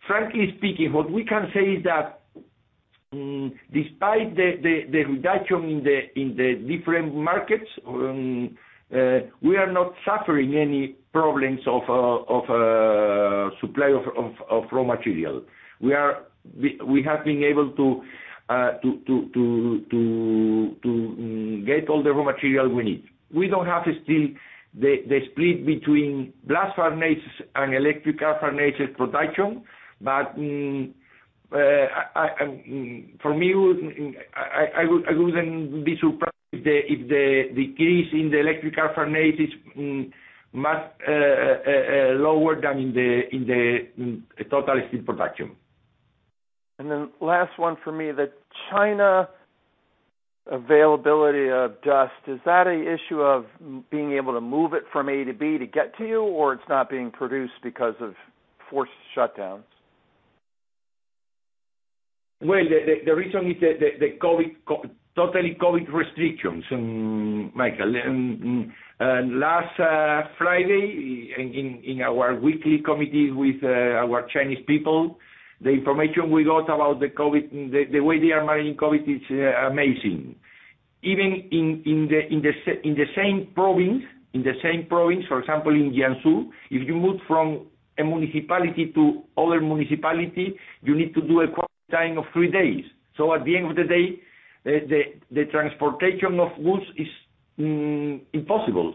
Frankly speaking, what we can say is that, despite the reduction in the different markets, we are not suffering any problems of supply of raw material. We have been able to get all the raw material we need. We don't have still the split between blast furnaces and electrical furnaces production. For me, I wouldn't be surprised if the decrease in the electrical furnaces must lower than in the total steel production. Last one for me. The China availability of dust, is that an issue of being able to move it from A to B to get to you, or it's not being produced because of forced shutdowns? Well, the reason is the COVID restrictions, Michael. Last Friday, in our weekly committee with our Chinese people, the information we got about the COVID, the way they are managing COVID is amazing. Even in the same province, for example, in Jiangsu, if you move from a municipality to another municipality, you need to do a quarantine of three days. So at the end of the day, the transportation of goods is impossible.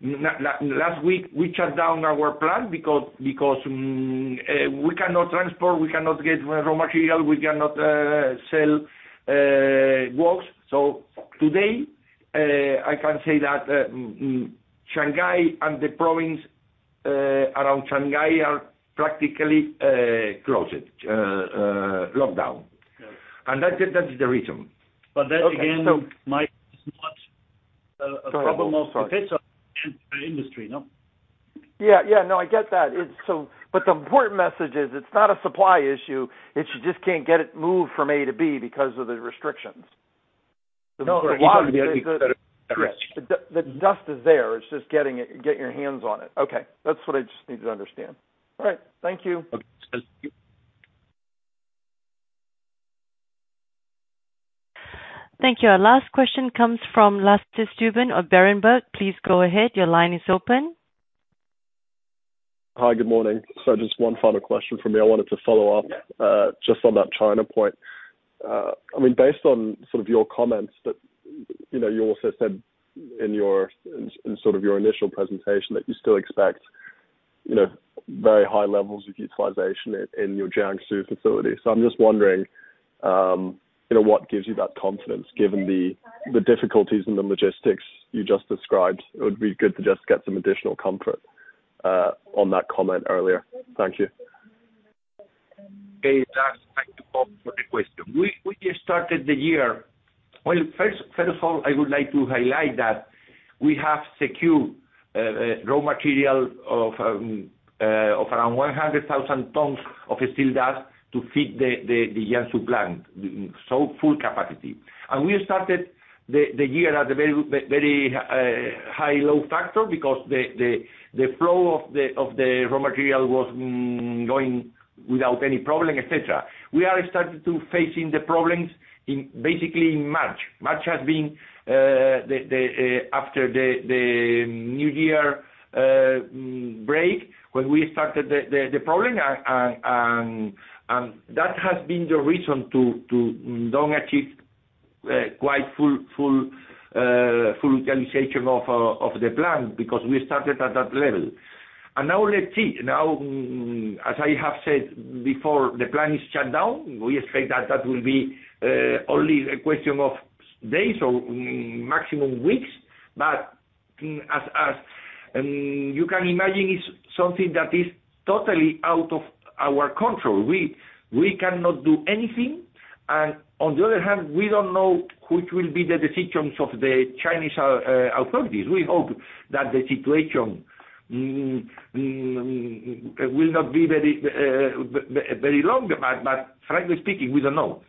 Last week, we shut down our plant because we cannot transport, we cannot get raw material, we cannot sell works. So today I can say that Shanghai and the province around Shanghai are practically closed lockdown. Yes. That's it. That is the reason. Mike, it's not a problem of- Sorry, Wolf. Sorry. The industry, no? Yeah. Yeah. No, I get that. The important message is it's not a supply issue, it's you just can't get it moved from A to B because of the restrictions. No. The dust is there, it's just getting it, get your hands on it. Okay. That's what I just need to understand. All right. Thank you. Okay. Thank you. Thank you. Our last question comes from Lasse Stüben of Berenberg. Please go ahead. Your line is open. Hi. Good morning. Just one final question from me. I wanted to follow up just on that China point. I mean, based on sort of your comments that, you know, you also said in sort of your initial presentation that you still expect, you know, very high levels of utilization in your Jiangsu facility. I'm just wondering, you know, what gives you that confidence given the difficulties in the logistics you just described? It would be good to just get some additional comfort on that comment earlier. Thank you. Hey, Lasse. Thank you for the question. We started the year. Well, first of all, I would like to highlight that we have secured raw material of around 100,000 tons of steel dust to feed the Jiangsu plant, so full capacity. We started the year at a very high load factor because the flow of the raw material was going without any problem, etc. We started facing the problems basically in March. March has been after the New Year break when we started the problem. That has been the reason not to achieve quite full utilization of the plant because we started at that level. Now let's see. As I have said before, the plant is shut down. We expect that will be only a question of days or maximum weeks. But as you can imagine, it's something that is totally out of our control. We cannot do anything. On the other hand, we don't know which will be the decisions of the Chinese authorities. We hope that the situation will not be very long. But frankly speaking, we don't know.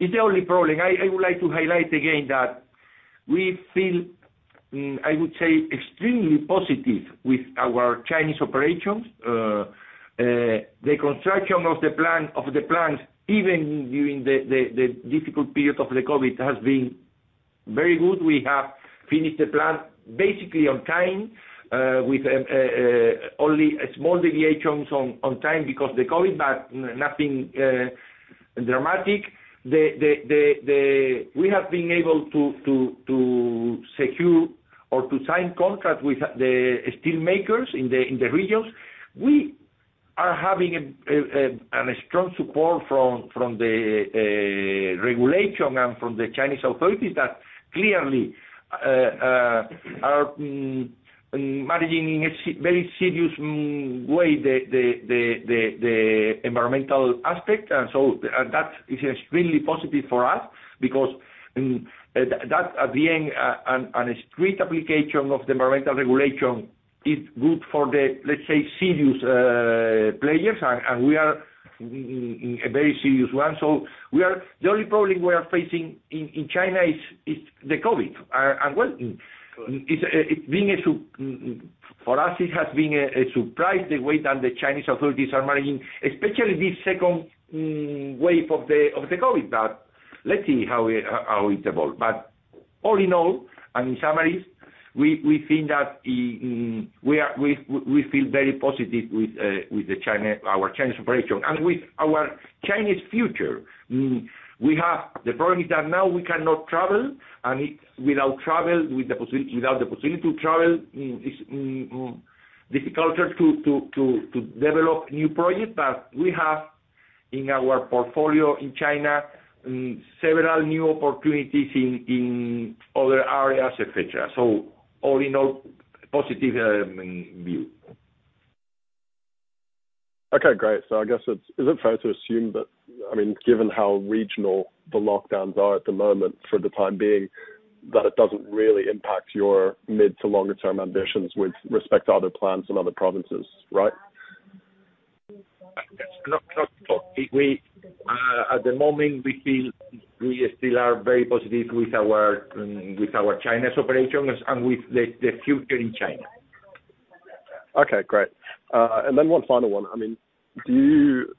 It's the only problem. I would like to highlight again that we feel, I would say extremely positive with our Chinese operations. The construction of the plant, even during the difficult period of the COVID has been very good. We have finished the plant basically on time, with only small deviations on time because the COVID, but nothing dramatic. We have been able to secure or to sign contract with the steel makers in the regions. We are having a strong support from the regulation and from the Chinese authorities that clearly are managing in a very serious way the environmental aspect. That is extremely positive for us because that being a strict application of the environmental regulation is good for the, let's say, serious players. We are a very serious one. The only problem we are facing in China is the COVID. Well, it's been a surprise the way that the Chinese authorities are managing, especially this second wave of the COVID. Let's see how it evolves. All in all, and in summary, we think that we feel very positive with China, our Chinese operation and with our Chinese future. The problem is that now we cannot travel, and without the possibility to travel, it's difficult to develop new projects. We have in our portfolio in China several new opportunities in other areas, et cetera. All in all, positive view. Okay, great. I guess, is it fair to assume that, I mean, given how regional the lockdowns are at the moment for the time being, that it doesn't really impact your mid to longer term ambitions with respect to other plants in other provinces, right? Not at all. At the moment, we feel we still are very positive with our China's operations and with the future in China. Okay, great. One final one. I mean, do you,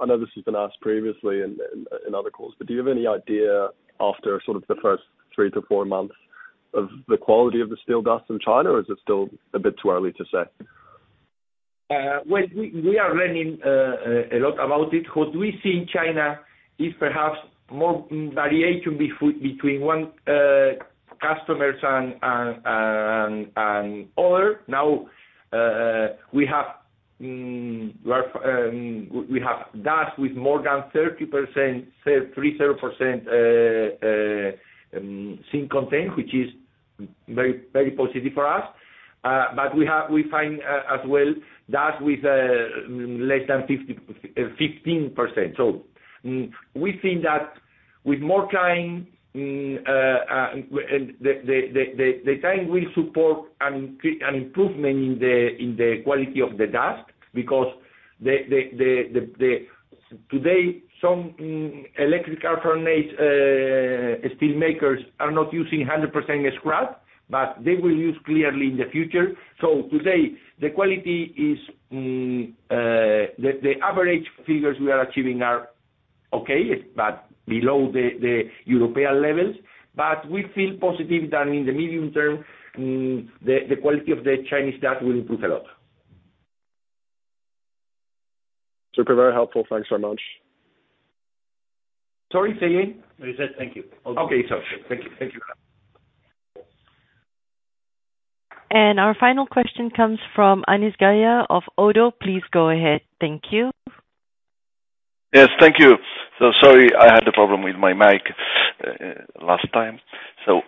I know this has been asked previously in other calls, but do you have any idea after sort of the first three to four months of the quality of the steel dust in China, or is it still a bit too early to say? Well, we are learning a lot about it. What we see in China is perhaps more variation between one customer and other. Now, we have dust with more than 30%, 30% zinc content, which is very positive for us. But we find as well dust with less than 15%. We think that with more time, the time will support an improvement in the quality of the dust because today some electric arc furnace steel makers are not using 100% scrap, but they will use clearly in the future. Today, the quality is the average figures we are achieving are okay, but below the European levels. We feel positive that in the medium term, the quality of the Chinese dust will improve a lot. Super. Very helpful. Thanks very much. Sorry, say again. He said thank you. Okay. It's okay. Thank you. Thank you. Our final question comes from Anis Zgaya of ODDO BHF. Please go ahead. Thank you. Yes. Thank you. Sorry I had a problem with my mic last time.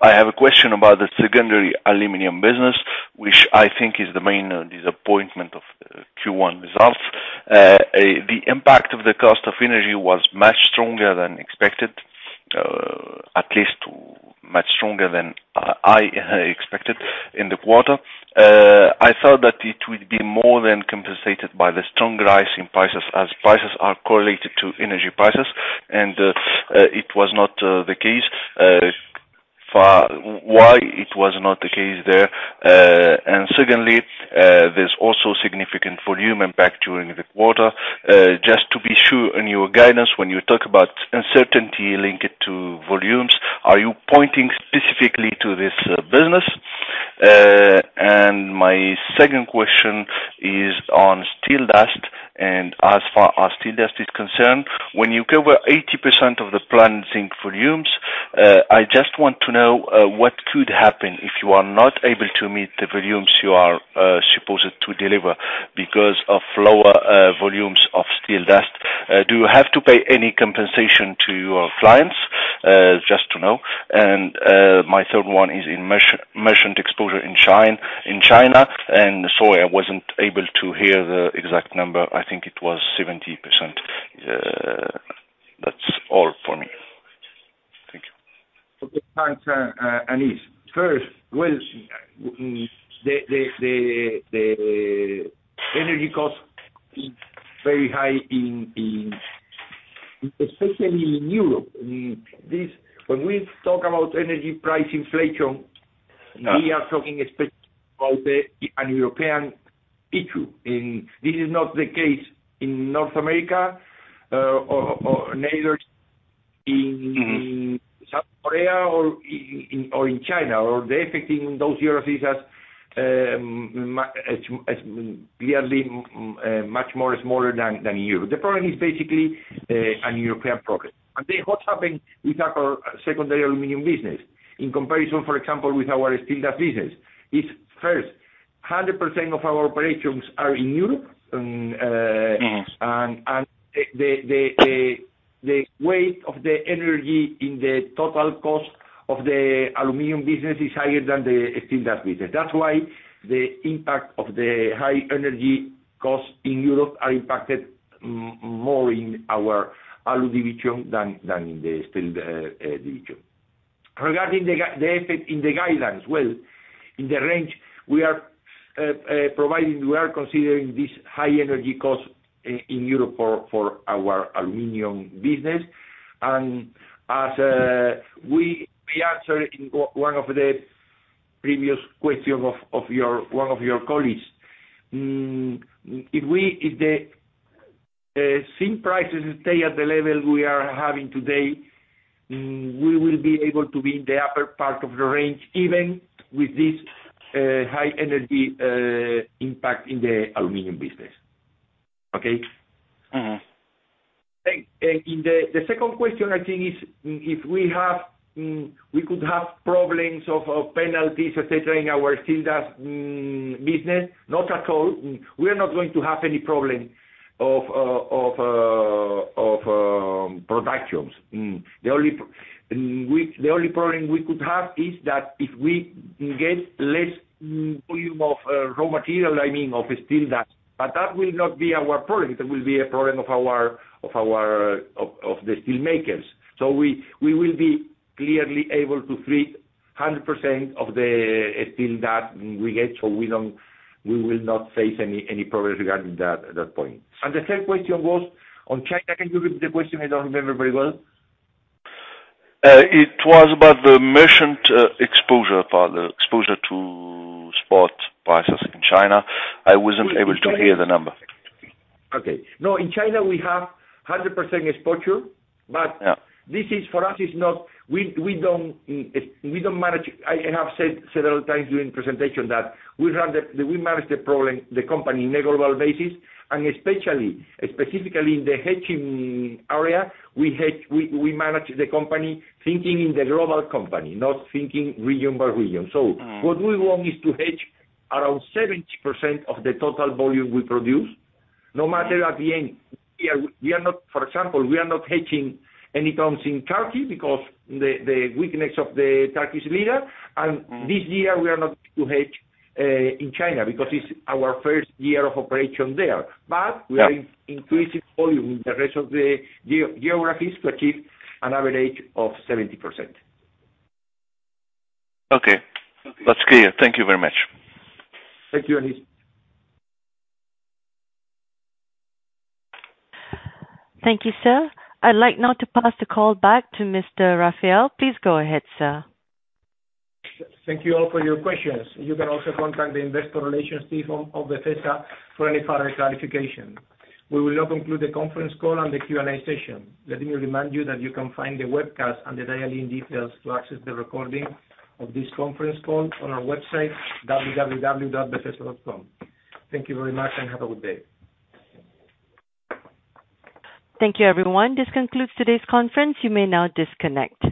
I have a question about the secondary aluminum business, which I think is the main disappointment of Q1 results. The impact of the cost of energy was much stronger than expected, at least much stronger than I expected in the quarter. I thought that it would be more than compensated by the strong rise in prices as prices are correlated to energy prices, and it was not the case. For why it was not the case there. Secondly, there's also significant volume impact during the quarter. Just to be sure in your guidance, when you talk about uncertainty linked to volumes, are you pointing specifically to this business? My second question is on steel dust. As far as steel dust is concerned, when you cover 80% of the planned zinc volumes, I just want to know what could happen if you are not able to meet the volumes you are supposed to deliver because of lower volumes of steel dust. Do you have to pay any compensation to your clients? Just to know. My third one is merchant exposure in China. Sorry, I wasn't able to hear the exact number. I think it was 70%. That's all for me. Thank you. Okay, thanks, Anis. First, well, the energy cost is very high in, especially in Europe. When we talk about energy price inflation, we are talking especially about a European issue, and this is not the case in North America, or neither in South Korea or in China, or the effect in those geographies is as clearly much more smaller than Europe. The problem is basically an European problem. Then what happened with our secondary aluminum business. In comparison, for example, with our steel dust business. It's first, 100% of our operations are in Europe. Mm-hmm. The weight of the energy in the total cost of the aluminum business is higher than the steel dust business. That's why the impact of the high energy costs in Europe are impacted more in our Alu division than in the steel division. Regarding the effect in the guidelines, well, in the range we are providing, we are considering this high energy cost in Europe for our aluminum business. As we answered in one of the previous question of one of your colleagues. If the zinc prices stay at the level we are having today, we will be able to be in the upper part of the range, even with this high energy impact in the aluminum business. Okay? Mm-hmm. The second question I think is if we could have problems of penalties, et cetera, in our steel dust business. Not at all. We are not going to have any problem of productions. The only problem we could have is that if we get less volume of raw material, I mean, of steel dust. But that will not be our problem. It will be a problem of the steel makers. We will be clearly able to treat 100% of the steel dust we get, so we will not face any problems regarding that at that point. The third question was on China. Can you repeat the question? I don't remember very well. It was about the merchant exposure to spot prices in China. I wasn't able to hear the number. No, in China, we have 100% exposure. Yeah. For us, it's not. We don't manage. I have said several times during presentation that we manage the company in a global basis, and especially, specifically in the hedging area, we hedge. We manage the company thinking in the global company, not thinking region by region. Mm-hmm. What we want is to hedge around 70% of the total volume we produce. Mm-hmm. No matter at the end. For example, we are not hedging any tons in Turkey because the weakness of the Turkish lira. Mm-hmm. This year we are not hedging in China because it's our first year of operation there. Yeah. We are increasing volume in the rest of the geographies to achieve an average of 70%. Okay. Okay. That's clear. Thank you very much. Thank you, Anis. Thank you, sir. I'd like now to pass the call back to Mr. Rafael. Please go ahead, sir. Thank you all for your questions. You can also contact the investor relations team of Befesa for any further clarification. We will now conclude the conference call and the Q&A session. Let me remind you that you can find the webcast and the dial-in details to access the recording of this conference call on our website, www.befesa.com. Thank you very much, and have a good day. Thank you, everyone. This concludes today's conference. You may now disconnect.